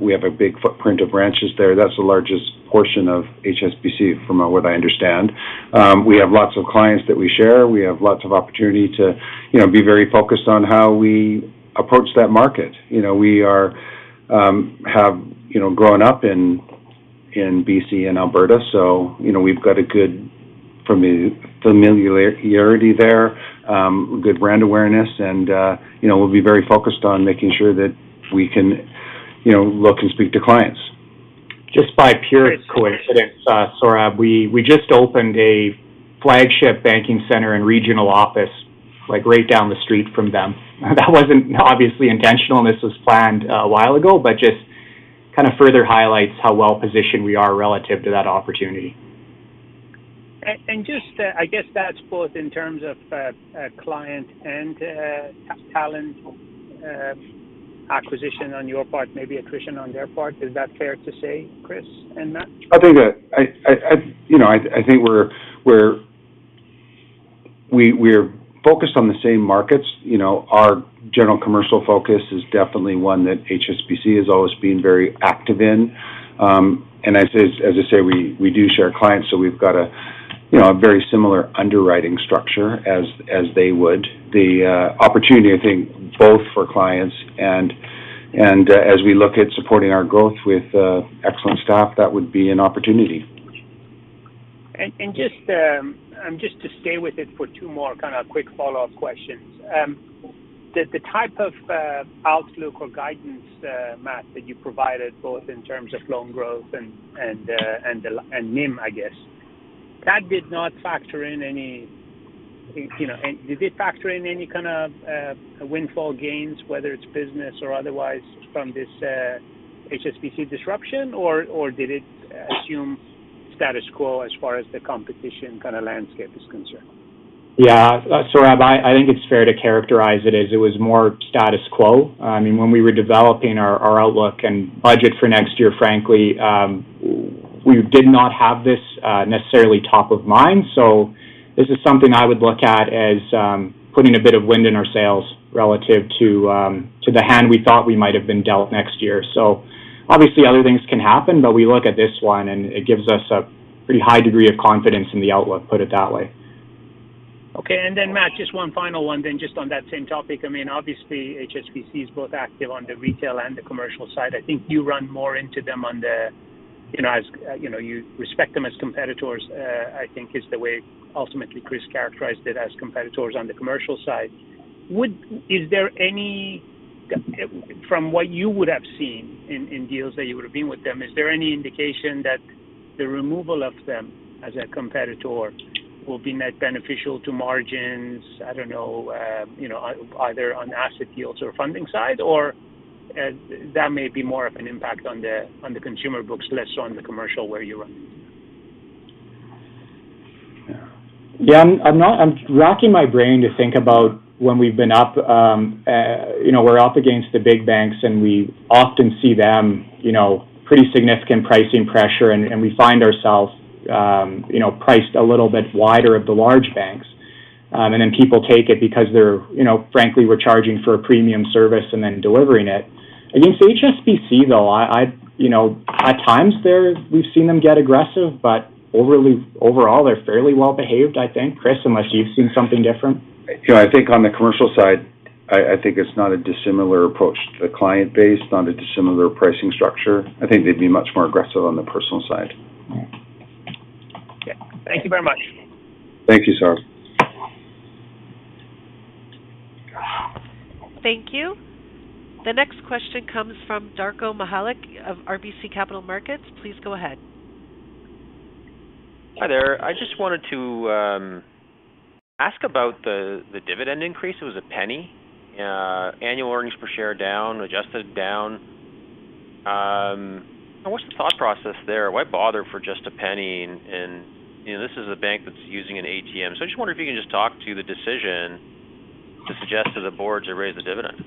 we have a big footprint of branches there. That's the largest portion of HSBC from what I understand. We have lots of clients that we share. We have lots of opportunity to, you know, be very focused on how we approach that market. You know, we have, you know, grown up in BC and Alberta, so, you know, we've got a good familiarity there, good brand awareness, and, you know, we'll be very focused on making sure that we can, you know, look and speak to clients. Just by pure coincidence, Sohrab, we just opened a flagship banking center and regional office, like, right down the street from them. That wasn't obviously intentional. This was planned a while ago, but just kind of further highlights how well-positioned we are relative to that opportunity. Just I guess that's both in terms of client and talent acquisition on your part, maybe attrition on their part. Is that fair to say, Chris and Matt? I think that I you know, I think we're focused on the same markets. You know, our general commercial focus is definitely one that HSBC has always been very active in. As I say, we do share clients, so we've got a, you know, a very similar underwriting structure as they would. The opportunity, I think, both for clients and as we look at supporting our growth with excellent staff, that would be an opportunity. Just to stay with it for two more kind of quick follow-up questions. The type of outlook or guidance, Matt, that you provided both in terms of loan growth and NIM, I guess, that did not factor in any, you know, did it factor in any kind of windfall gains, whether it's business or otherwise, from this HSBC disruption, or did it assume status quo as far as the competition kind of landscape is concerned? Saurabh, I think it's fair to characterize it as it was more status quo. I mean, when we were developing our outlook and budget for next year, frankly, we did not have this necessarily top of mind. This is something I would look at as putting a bit of wind in our sails relative to the hand we thought we might have been dealt next year. Obviously other things can happen, but we look at this one, and it gives us a pretty high degree of confidence in the outlook, put it that way. Okay. Matt, just one final one then just on that same topic. I mean, obviously HSBC is both active on the retail and the commercial side. I think you run more into them on the, you know, as, you know, you respect them as competitors, I think is the way ultimately Chris characterized it as competitors on the commercial side. Is there any From what you would have seen in deals that you would have been with them, is there any indication that the removal of them as a competitor will be net beneficial to margins, I don't know, you know, either on asset yields or funding side? That may be more of an impact on the, on the consumer books, less so on the commercial where you run? Yeah. I'm not racking my brain to think about when we've been up, you know, we're up against the big banks. We often see them, you know, pretty significant pricing pressure, and we find ourselves, you know, priced a little bit wider at the large banks. Then people take it because they're, you know, frankly, we're charging for a premium service and then delivering it. Against HSBC, though, I, you know, at times they're we've seen them get aggressive, but overall they're fairly well-behaved, I think. Chris, unless you've seen something different. You know, I think on the commercial side, I think it's not a dissimilar approach to the client base, not a dissimilar pricing structure. I think they'd be much more aggressive on the personal side. Okay. Thank you very much. Thank you, sir. Thank you. The next question comes from Darko Mihelic of RBC Capital Markets. Please go ahead. Hi there. I just wanted to ask about the dividend increase. It was CAD 0.01. Annual earnings per share down, adjusted down. What's the thought process there? Why bother for just CAD 0.01? You know, this is a bank that's using an ATM. I just wonder if you can just talk to the decision to suggest to the board to raise the dividend.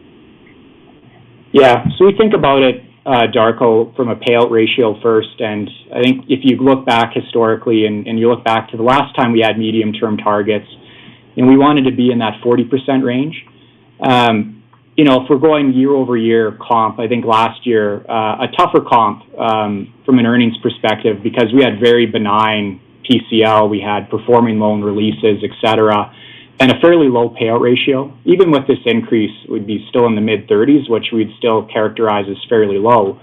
Yeah. We think about it, Darko, from a payout ratio first. I think if you look back historically and you look back to the last time we had medium-term targets, and we wanted to be in that 40% range. You know, if we're going year-over-year comp, I think last year, a tougher comp from an earnings perspective because we had very benign PCL, we had performing loan releases, et cetera, and a fairly low payout ratio. Even with this increase, we'd be still in the mid-thirties, which we'd still characterize as fairly low.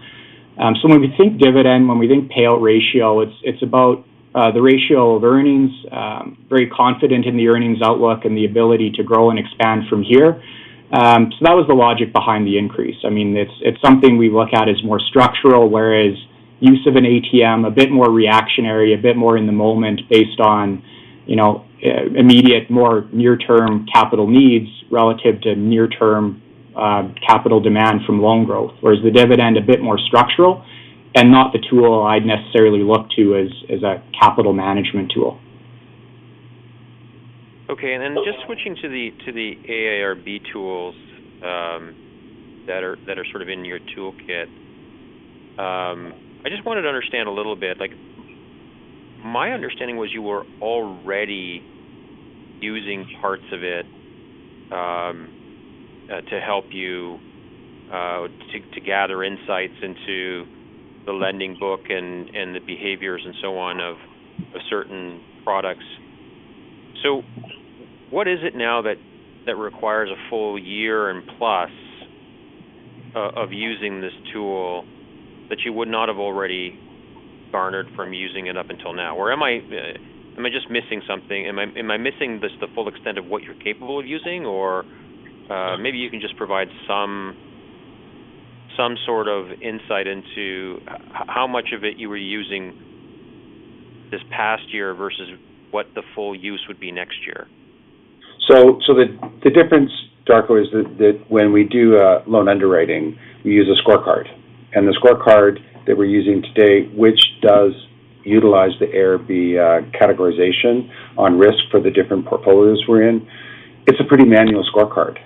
When we think dividend, when we think payout ratio, it's about the ratio of earnings, very confident in the earnings outlook and the ability to grow and expand from here. That was the logic behind the increase. I mean, it's something we look at as more structural, whereas use of an ATM, a bit more reactionary, a bit more in the moment based on, you know, immediate, more near-term capital needs relative to near-term, capital demand from loan growth. Whereas the dividend, a bit more structural and not the tool I'd necessarily look to as a capital management tool. Okay. Just switching to the AIRB tools that are sort of in your toolkit. I just wanted to understand a little bit, like my understanding was you were already using parts of it, to help you to gather insights into the lending book and the behaviors and so on of certain products. What is it now that requires a full year and plus of using this tool that you would not have already garnered from using it up until now? Am I just missing something? Am I missing this the full extent of what you're capable of using? Maybe you can just provide some sort of insight into how much of it you were using this past year versus what the full use would be next year. So the difference, Darko, is that when we do loan underwriting, we use a scorecard. The scorecard that we're using today, which does utilize the AIRB categorization on risk for the different portfolios we're in, it's a pretty manual scorecard.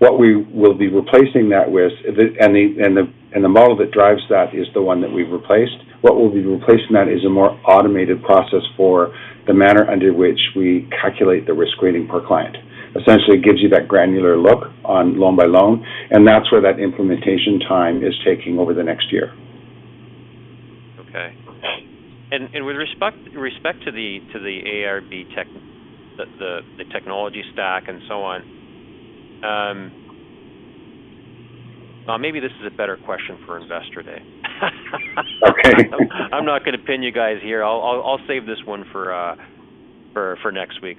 What we will be replacing that with, the model that drives that is the one that we've replaced. What we'll be replacing that is a more automated process for the manner under which we calculate the risk rating per client. Essentially, it gives you that granular look on loan by loan, and that's where that implementation time is taking over the next year. Okay. With respect to the AIRB tech, the technology stack and so on. Well, maybe this is a better question for Investor Day. Okay. I'm not gonna pin you guys here. I'll save this one for next week.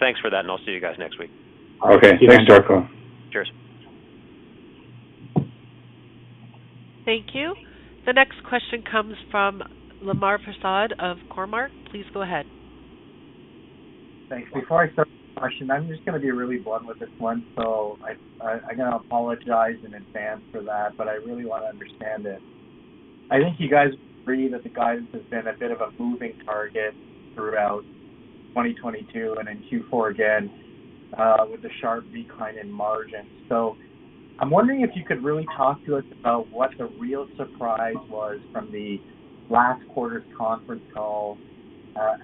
Thanks for that, and I'll see you guys next week. Okay. Thanks, Darko. Cheers. Thank you. The next question comes from Lemar Persaud of Cormark. Please go ahead. Thanks. Before I start the question, I'm just gonna be really blunt with this one, so I gotta apologize in advance for that, but I really want to understand it. I think you guys agree that the guidance has been a bit of a moving target throughout 2022 and in Q4 again, with a sharp decline in margins. I'm wondering if you could really talk to us about what the real surprise was from the last quarter's conference call,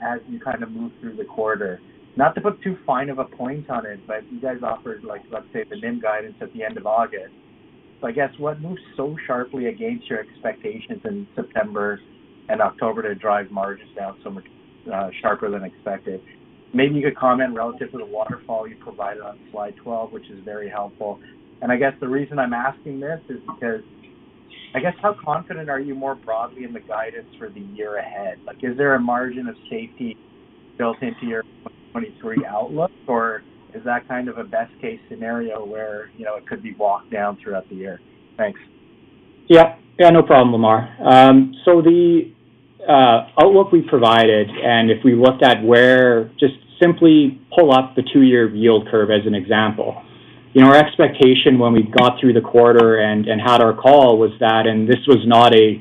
as you kind of moved through the quarter. Not to put too fine of a point on it, but you guys offered, like, let's say, the NIM guidance at the end of August. I guess what moved so sharply against your expectations in September and October to drive margins down so much, sharper than expected? Maybe you could comment relative to the waterfall you provided on Slide 12, which is very helpful. I guess the reason I'm asking this is because, I guess, how confident are you more broadly in the guidance for the year ahead? Like, is there a margin of safety built into your 2023 outlook, or is that kind of a best case scenario where, you know, it could be walked down throughout the year? Thanks. Yeah. Yeah, no problem, Lamar. The outlook we provided, and if we looked at where just simply pull up the 2-year yield curve as an example. You know, our expectation when we got through the quarter and had our call was that, and this was not a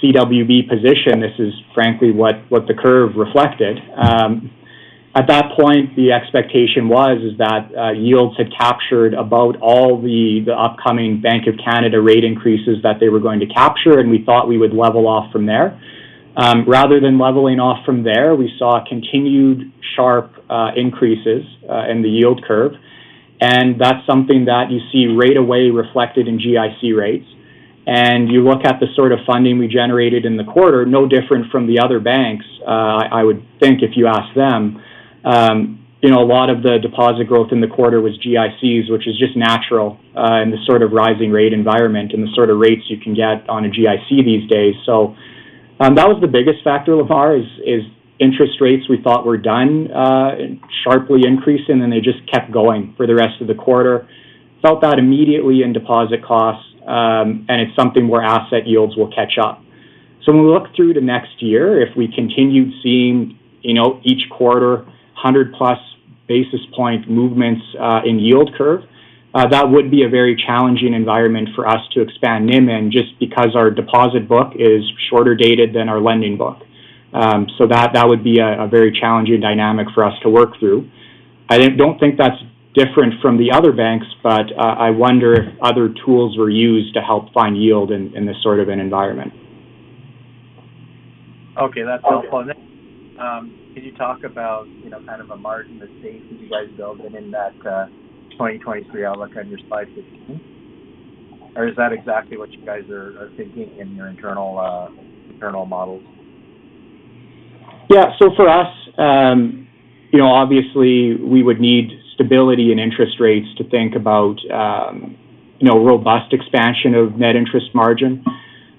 CWB position, this is frankly what the curve reflected. At that point, the expectation was is that yields had captured about all the upcoming Bank of Canada rate increases that they were going to capture, and we thought we would level off from there. Rather than leveling off from there, we saw continued sharp increases in the yield curve, and that's something that you see right away reflected in GIC rates. You look at the sort of funding we generated in the quarter, no different from the other banks, I would think if you ask them. You know, a lot of the deposit growth in the quarter was GICs, which is just natural in the sort of rising rate environment and the sort of rates you can get on a GIC these days. That was the biggest factor, Lemar, is interest rates we thought were done, sharply increasing, and they just kept going for the rest of the quarter. Felt that immediately in deposit costs. It's something where asset yields will catch up. When we look through to next year, if we continue seeing, you know, each quarter 100 plus basis point movements in yield curve, that would be a very challenging environment for us to expand NIM in just because our deposit book is shorter dated than our lending book. That would be a very challenging dynamic for us to work through. I don't think that's different from the other banks, but I wonder if other tools were used to help find yield in this sort of an environment. Okay. That's helpful. Can you talk about, you know, kind of a margin of safety you guys build in in that 2023 outlook on your Slide 15? Is that exactly what you guys are thinking in your internal models? Yeah. For us, you know, obviously, we would need stability in interest rates to think about, you know, robust expansion of net interest margin.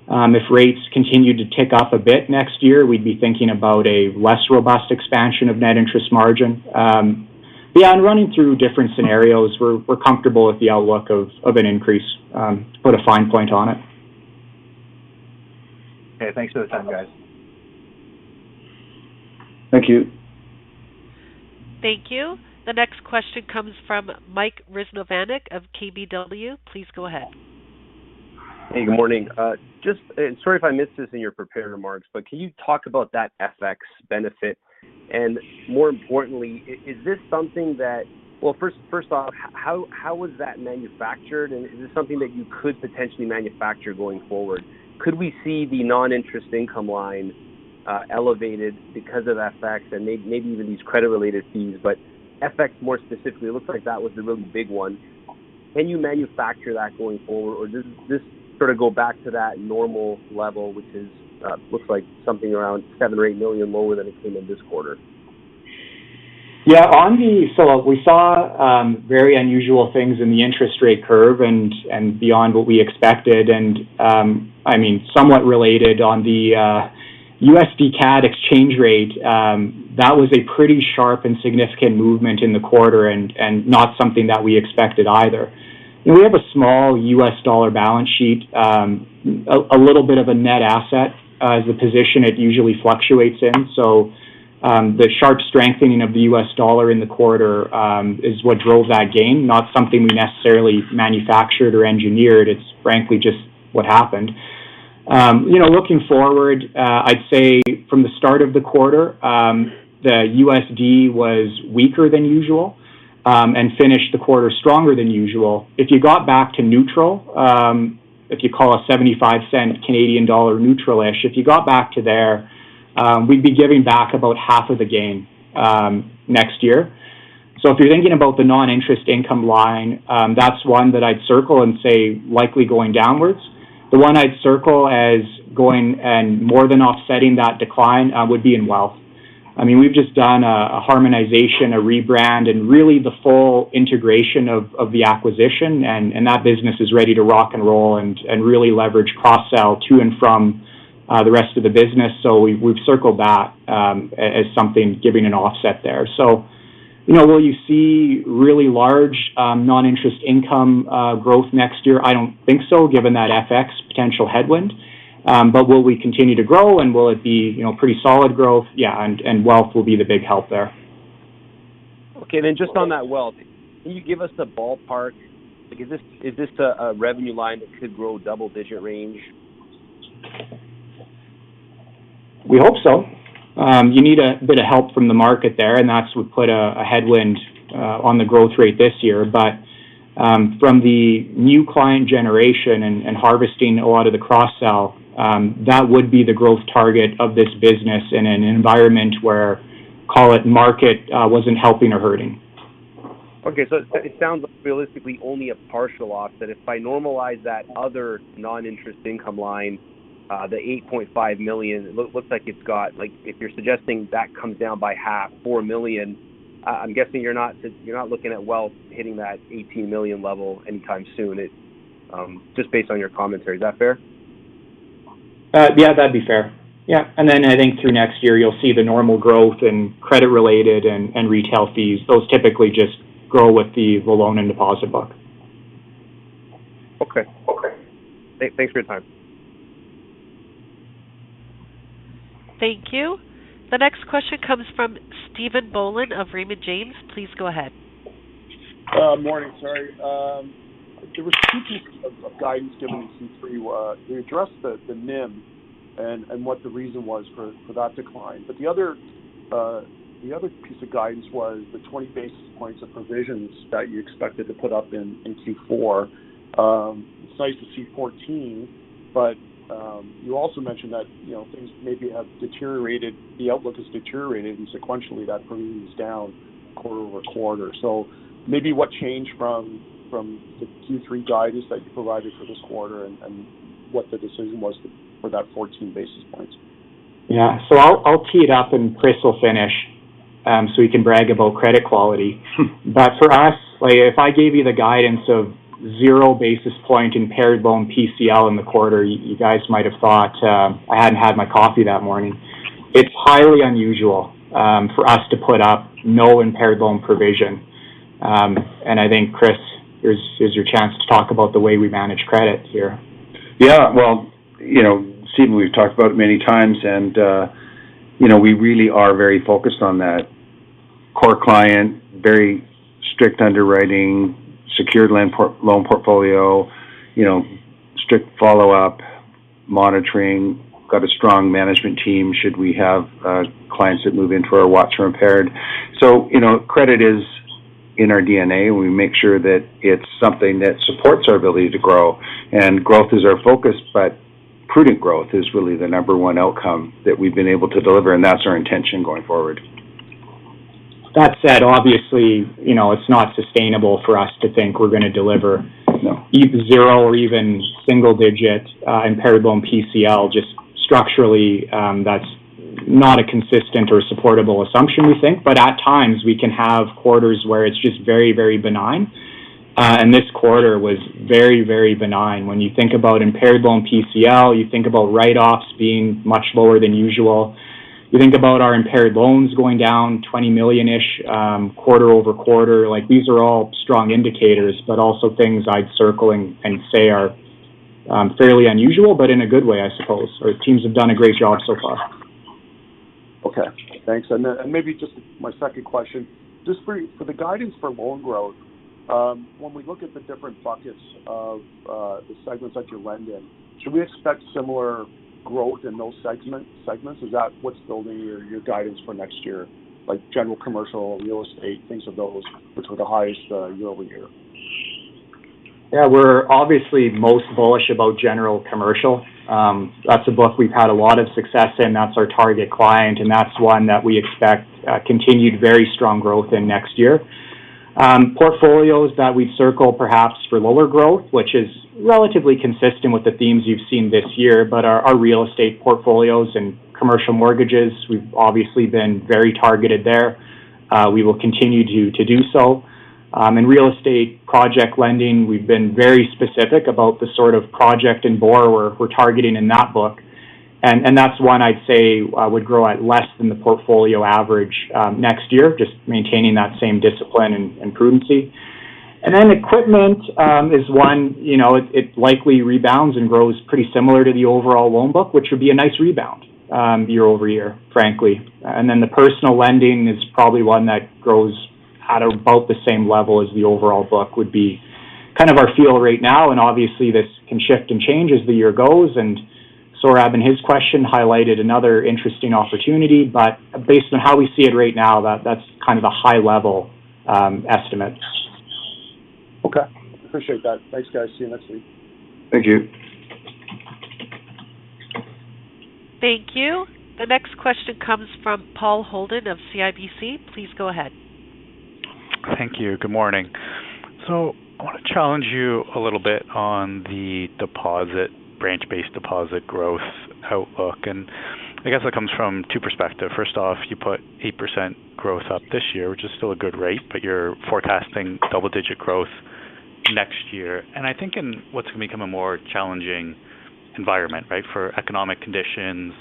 If rates continue to tick up a bit next year, we'd be thinking about a less robust expansion of net interest margin. Yeah, running through different scenarios, we're comfortable with the outlook of an increase to put a fine point on it. Okay. Thanks for the time, guys. Thank you. Thank you. The next question comes from Mike Rizvanovic of KBW. Please go ahead. Hey, good morning. Sorry if I missed this in your prepared remarks, can you talk about that FX benefit? More importantly, is this something that... Well, first off, how was that manufactured? Is this something that you could potentially manufacture going forward? Could we see the non-interest income line elevated because of FX and maybe even these credit-related fees? FX, more specifically, it looks like that was the really big one. Can you manufacture that going forward, or does this sort of go back to that normal level, which is, looks like something around 7 million-8 million lower than it came in this quarter? Yeah. Look, we saw very unusual things in the interest rate curve and beyond what we expected. I mean, somewhat related on the USD-CAD exchange rate, that was a pretty sharp and significant movement in the quarter and not something that we expected either. You know, we have a small U.S. dollar balance sheet, a little bit of a net asset as a position it usually fluctuates in. The sharp strengthening of the U.S. dollar in the quarter is what drove that gain, not something we necessarily manufactured or engineered. It's frankly just what happened. You know, looking forward, I'd say from the start of the quarter, the USD was weaker than usual and finished the quarter stronger than usual. If you got back to neutral, if you call a $0.75 Canadian dollar neutral-ish, if you got back to there, we'd be giving back about half of the gain next year. If you're thinking about the non-interest income line, that's one that I'd circle and say likely going downwards. The one I'd circle as going and more than offsetting that decline would be in wealth. I mean, we've just done a harmonization, a rebrand, and really the full integration of the acquisition, and that business is ready to rock and roll and really leverage cross-sell to and from the rest of the business. We've circled that as something giving an offset there. You know, will you see really large non-interest income growth next year? I don't think so, given that FX potential headwind. Will we continue to grow, and will it be, you know, pretty solid growth? Yeah, and wealth will be the big help there. Okay. Just on that wealth, can you give us a ballpark? Like, is this a revenue line that could grow double-digit range? We hope so. You need a bit of help from the market there, that's what put a headwind on the growth rate this year. From the new client generation and harvesting a lot of the cross-sell, that would be the growth target of this business in an environment where, call it, market wasn't helping or hurting. It sounds like realistically only a partial offset. If I normalize that other non-interest income line, the $8.5 million, it looks like it's got. Like, if you're suggesting that comes down by half, $4 million, I'm guessing you're not looking at wealth hitting that $18 million level anytime soon. It, just based on your commentary. Is that fair? Yeah, that'd be fair. Yeah. I think through next year you'll see the normal growth in credit related and retail fees. Those typically just grow with the loan and deposit book. Okay. Okay. Thanks for your time. Thank you. The next question comes from Stephen Boland of Raymond James. Please go ahead. Morning. Sorry. There was two pieces of guidance given in Q3. You addressed the NIM and what the reason was for that decline. The other piece of guidance was the 20 basis points of provisions that you expected to put up in Q4. It's nice to see 14, but you also mentioned that, you know, things maybe have deteriorated, the outlook has deteriorated, and sequentially that provision is down. Quarter-over-quarter. Maybe what changed from the Q3 guidance that you provided for this quarter and what the decision was for that 14 basis points? Yeah. I'll tee it up, and Chris will finish, so he can brag about credit quality. For us, like, if I gave you the guidance of zero basis point impaired loan PCL in the quarter, you guys might have thought, I hadn't had my coffee that morning. It's highly unusual for us to put up no impaired loan provision. I think, Chris, here's your chance to talk about the way we manage credit here. Yeah. Well, you know, Steven, we've talked about many times, you know, we really are very focused on that core client, very strict underwriting, secured loan portfolio, you know, strict follow-up, monitoring. Got a strong management team should we have clients that move into our watch or impaired. You know, credit is in our DNA, and we make sure that it's something that supports our ability to grow. Growth is our focus, but prudent growth is really the number one outcome that we've been able to deliver, and that's our intention going forward. That said, obviously, you know, it's not sustainable for us to think we're gonna. No.... e-zero or even single-digit, impaired loan PCL. Just structurally, that's not a consistent or supportable assumption, we think. At times, we can have quarters where it's just very, very benign. This quarter was very, very benign. When you think about impaired loan PCL, you think about write-offs being much lower than usual. You think about our impaired loans going down $20 million-ish, quarter-over-quarter. These are all strong indicators, but also things I'd circle and say are fairly unusual, but in a good way, I suppose. Our teams have done a great job so far. Okay. Thanks. Maybe just my second question. For the guidance for loan growth, when we look at the different buckets of the segments that you lend in, should we expect similar growth in those segments? Is that what's building your guidance for next year, like general commercial, real estate, things of those, which were the highest year-over-year? Yeah. We're obviously most bullish about general commercial. That's a book we've had a lot of success in. That's our target client. That's one that we expect continued very strong growth in next year. Portfolios that we've circled perhaps for lower growth, which is relatively consistent with the themes you've seen this year, our real estate portfolios and commercial mortgages, we've obviously been very targeted there. We will continue to do so. In real estate project lending, we've been very specific about the sort of project and borrower we're targeting in that book, and that's one I'd say would grow at less than the portfolio average next year, just maintaining that same discipline and prudency. Equipment is one, you know, it likely rebounds and grows pretty similar to the overall loan book, which would be a nice rebound year-over-year, frankly. The personal lending is probably one that grows at about the same level as the overall book would be kind of our feel right now, and obviously, this can shift and change as the year goes. Saurabh, in his question, highlighted another interesting opportunity. Based on how we see it right now, that's kind of a high level estimate. Okay. Appreciate that. Thanks, guys. See you next week. Thank you. Thank you. The next question comes from Paul Holden of CIBC. Please go ahead. Thank you. Good morning. I wanna challenge you a little bit on the branch-based deposit growth outlook. I guess that comes from two perspective. First off, you put 8% growth up this year, which is still a good rate, but you're forecasting double-digit growth next year. I think in what's gonna become a more challenging environment, right, for economic conditions,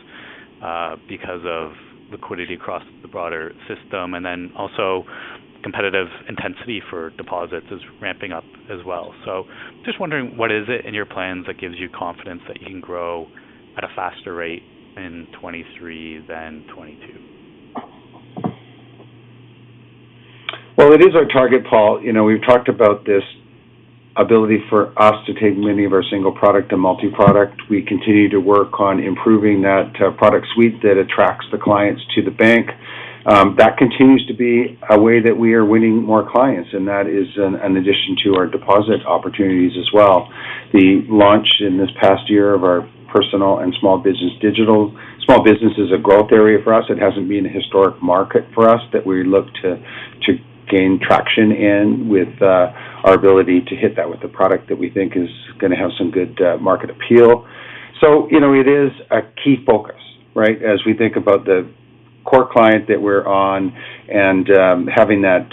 because of liquidity across the broader system, and then also competitive intensity for deposits is ramping up as well. Just wondering what is it in your plans that gives you confidence that you can grow at a faster rate in 2023 than 2022? Well, it is our target, Paul. You know, we've talked about this ability for us to take many of our single product and multi-product. We continue to work on improving that product suite that attracts the clients to the bank. That continues to be a way that we are winning more clients, and that is an addition to our deposit opportunities as well. The launch in this past year of our personal and small business digital. Small business is a growth area for us. It hasn't been a historic market for us that we look to gain traction in with our ability to hit that with a product that we think is gonna have some good market appeal. You know, it is a key focus, right? As we think about the core client that we're on and having that,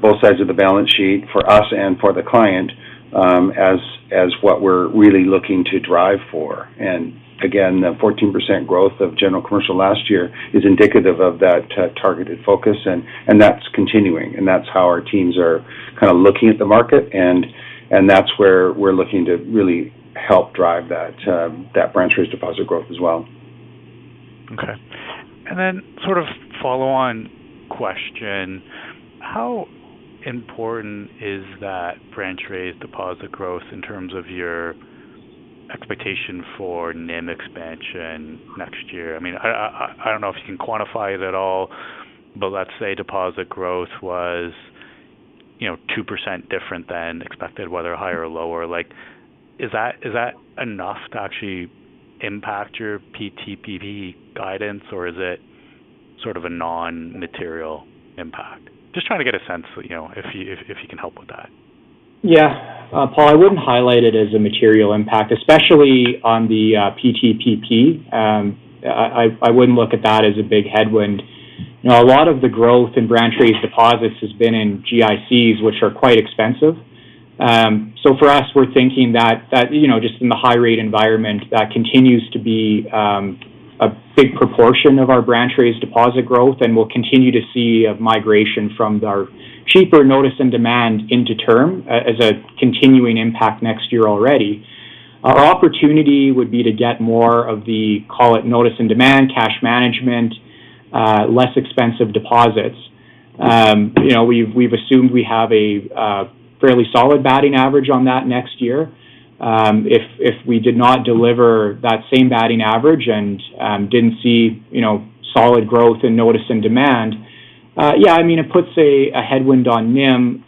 both sides of the balance sheet for us and for the client, as what we're really looking to drive for. Again, the 14% growth of general commercial last year is indicative of that targeted focus, and that's continuing, and that's how our teams are kind of looking at the market, and that's where we're looking to really help drive that branch-raised deposit growth as well. Okay. Sort of follow on question. How important is that branch-raised deposit growth in terms of your expectation for NIM expansion next year? I mean, I don't know if you can quantify it at all, but let's say deposit growth was, you know, 2% different than expected, whether higher or lower. Is that enough to actually impact your PTPP guidance or is it sort of a non-material impact? Just trying to get a sense, you know, if you can help with that. Yeah. Paul, I wouldn't highlight it as a material impact, especially on the PTPP. I wouldn't look at that as a big headwind. You know, a lot of the growth in branch raised deposits has been in GICs, which are quite expensive. For us, we're thinking that that, you know, just in the high rate environment, that continues to be a big proportion of our branch raised deposit growth, and we'll continue to see a migration from our cheaper notice and demand into term as a continuing impact next year already. Our opportunity would be to get more of the, call it, notice and demand, cash management, less expensive deposits. You know, we've assumed we have a fairly solid batting average on that next year. If we did not deliver that same batting average and didn't see, you know, solid growth in notice and demand, yeah, I mean, it puts a headwind on NIM,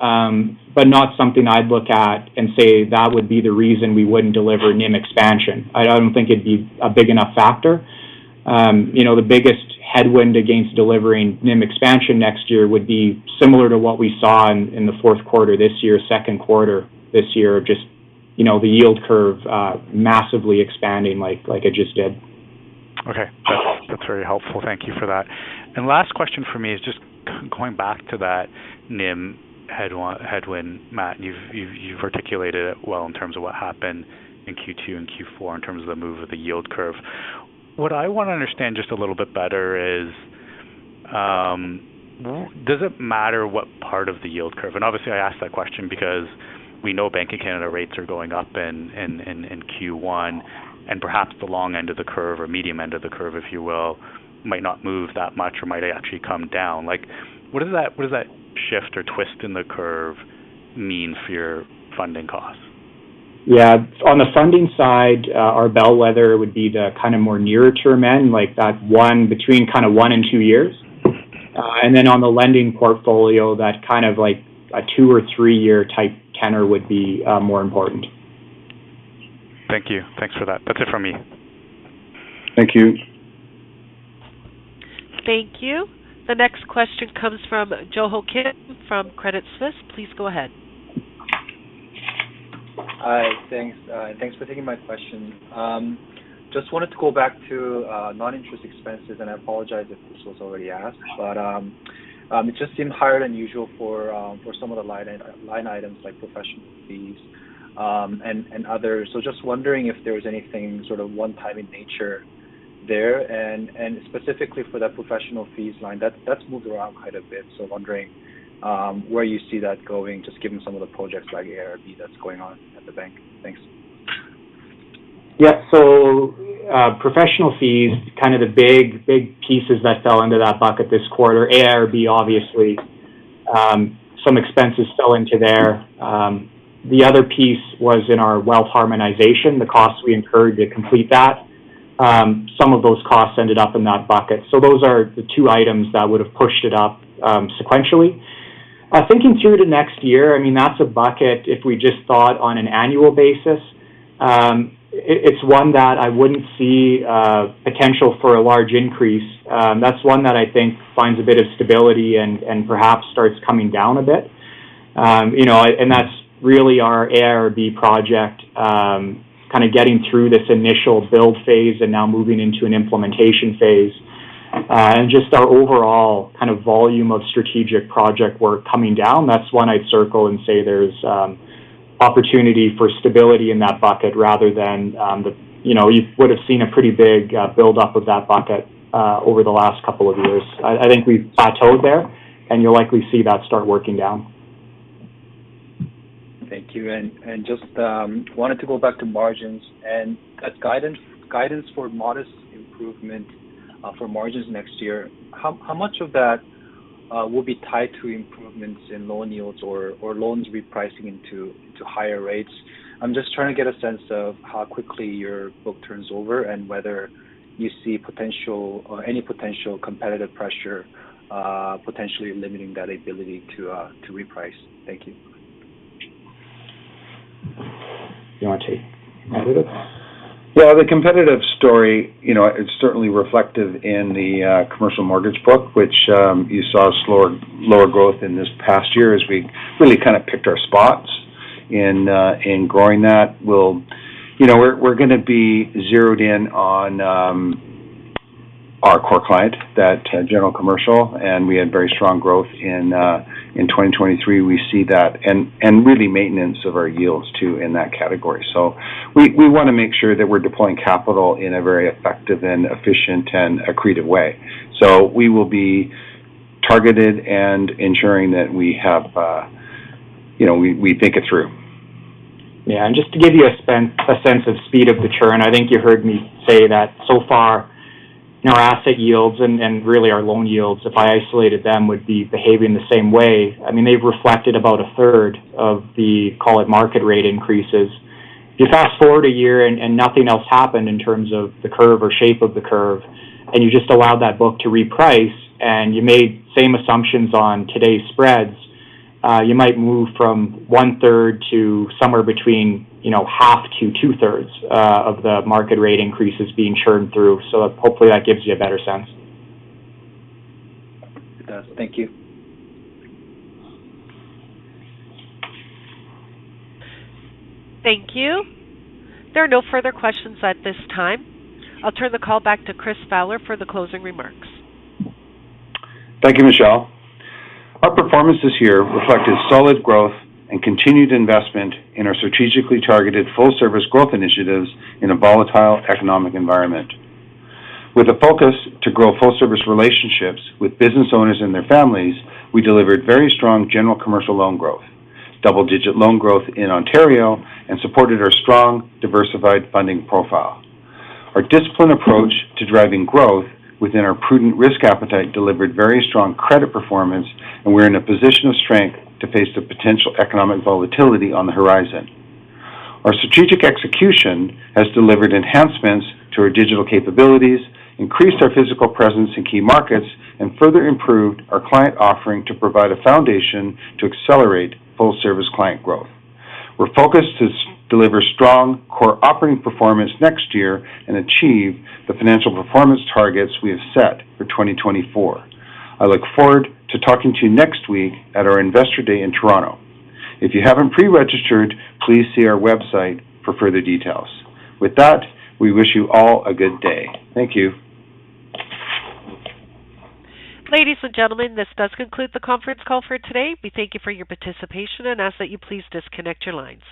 but not something I'd look at and say that would be the reason we wouldn't deliver NIM expansion. I don't think it'd be a big enough factor. You know, the biggest headwind against delivering NIM expansion next year would be similar to what we saw in the fourth quarter this year, second quarter this year of just, you know, the yield curve massively expanding like it just did. Okay. That's very helpful. Thank you for that. Last question for me is just going back to that NIM headwind. Matt, you've articulated it well in terms of what happened in Q2 and Q4 in terms of the move of the yield curve. What I want to understand just a little bit better is, does it matter what part of the yield curve? Obviously, I ask that question because we know Bank of Canada rates are going up in Q1, and perhaps the long end of the curve or medium end of the curve, if you will, might not move that much or might actually come down. Like, what does that shift or twist in the curve mean for your funding costs? Yeah. On the funding side, our bellwether would be the kind of more nearer term end, like that one between kind of 1 and 2 years. Then on the lending portfolio, that kind of like a 2 or 3-year type tenor would be, more important. Thank you. Thanks for that. That's it from me. Thank you. Thank you. The next question comes from Joo Ho Kim from Credit Suisse. Please go ahead. Hi. Thanks. Thanks for taking my question. Just wanted to go back to non-interest expenses, and I apologize if this was already asked. It just seemed higher than usual for some of the line items like professional fees, and others. Just wondering if there was anything sort of one time in nature there, and specifically for that professional fees line. That's moved around quite a bit, so wondering where you see that going, just given some of the projects like AIRB that's going on at the bank. Thanks. Professional fees, kind of the big, big pieces that fell under that bucket this quarter, AIRB obviously, some expenses fell into there. The other piece was in our wealth harmonization, the costs we incurred to complete that. Some of those costs ended up in that bucket. Those are the two items that would have pushed it up, sequentially. Thinking through to next year, I mean, that's a bucket if we just thought on an annual basis. It's one that I wouldn't see potential for a large increase. That's one that I think finds a bit of stability and perhaps starts coming down a bit. You know, and that's really our AIRB project, kind of getting through this initial build phase and now moving into an implementation phase. Just our overall kind of volume of strategic project work coming down. That's one I'd circle and say there's opportunity for stability in that bucket rather than. You know, you would have seen a pretty big build up of that bucket over the last couple of years. I think we've plateaued there, and you'll likely see that start working down. Thank you. Just wanted to go back to margins and that guidance for modest improvement for margins next year. How much of that will be tied to improvements in loan yields or loans repricing into higher rates? I'm just trying to get a sense of how quickly your book turns over and whether you see potential or any potential competitive pressure, potentially limiting that ability to reprice. Thank you. You want to take it, Matt? Yeah, the competitive story, you know, it's certainly reflective in the commercial mortgage book, which you saw slower, lower growth in this past year as we really kind of picked our spots in growing that. You know, we're gonna be zeroed in on our core client, that general commercial, and we had very strong growth in 2023. We see that and really maintenance of our yields too in that category. We wanna make sure that we're deploying capital in a very effective and efficient and accretive way. We will be targeted and ensuring that we have, you know, we think it through. Yeah. Just to give you a sense of speed of the churn, I think you heard me say that so far, you know, our asset yields and really our loan yields, if I isolated them, would be behaving the same way. I mean, they've reflected about a third of the, call it, market rate increases. You fast forward a year, nothing else happened in terms of the curve or shape of the curve, and you just allowed that book to reprice and you made same assumptions on today's spreads, you might move from one-third to somewhere between, you know, half to two-thirds of the market rate increases being churned through. Hopefully that gives you a better sense. It does. Thank you. Thank you. There are no further questions at this time. I'll turn the call back to Chris Fowler for the closing remarks. Thank you, Michelle. Our performance this year reflected solid growth and continued investment in our strategically targeted full service growth initiatives in a volatile economic environment. With a focus to grow full service relationships with business owners and their families, we delivered very strong general commercial loan growth, double-digit loan growth in Ontario, and supported our strong diversified funding profile. Our disciplined approach to driving growth within our prudent risk appetite delivered very strong credit performance, and we're in a position of strength to face the potential economic volatility on the horizon. Our strategic execution has delivered enhancements to our digital capabilities, increased our physical presence in key markets, and further improved our client offering to provide a foundation to accelerate full service client growth. We're focused to deliver strong core operating performance next year and achieve the financial performance targets we have set for 2024. I look forward to talking to you next week at our Investor Day in Toronto. If you haven't pre-registered, please see our website for further details. With that, we wish you all a good day. Thank you. Ladies and gentlemen, this does conclude the conference call for today. We thank you for your participation and ask that you please disconnect your lines.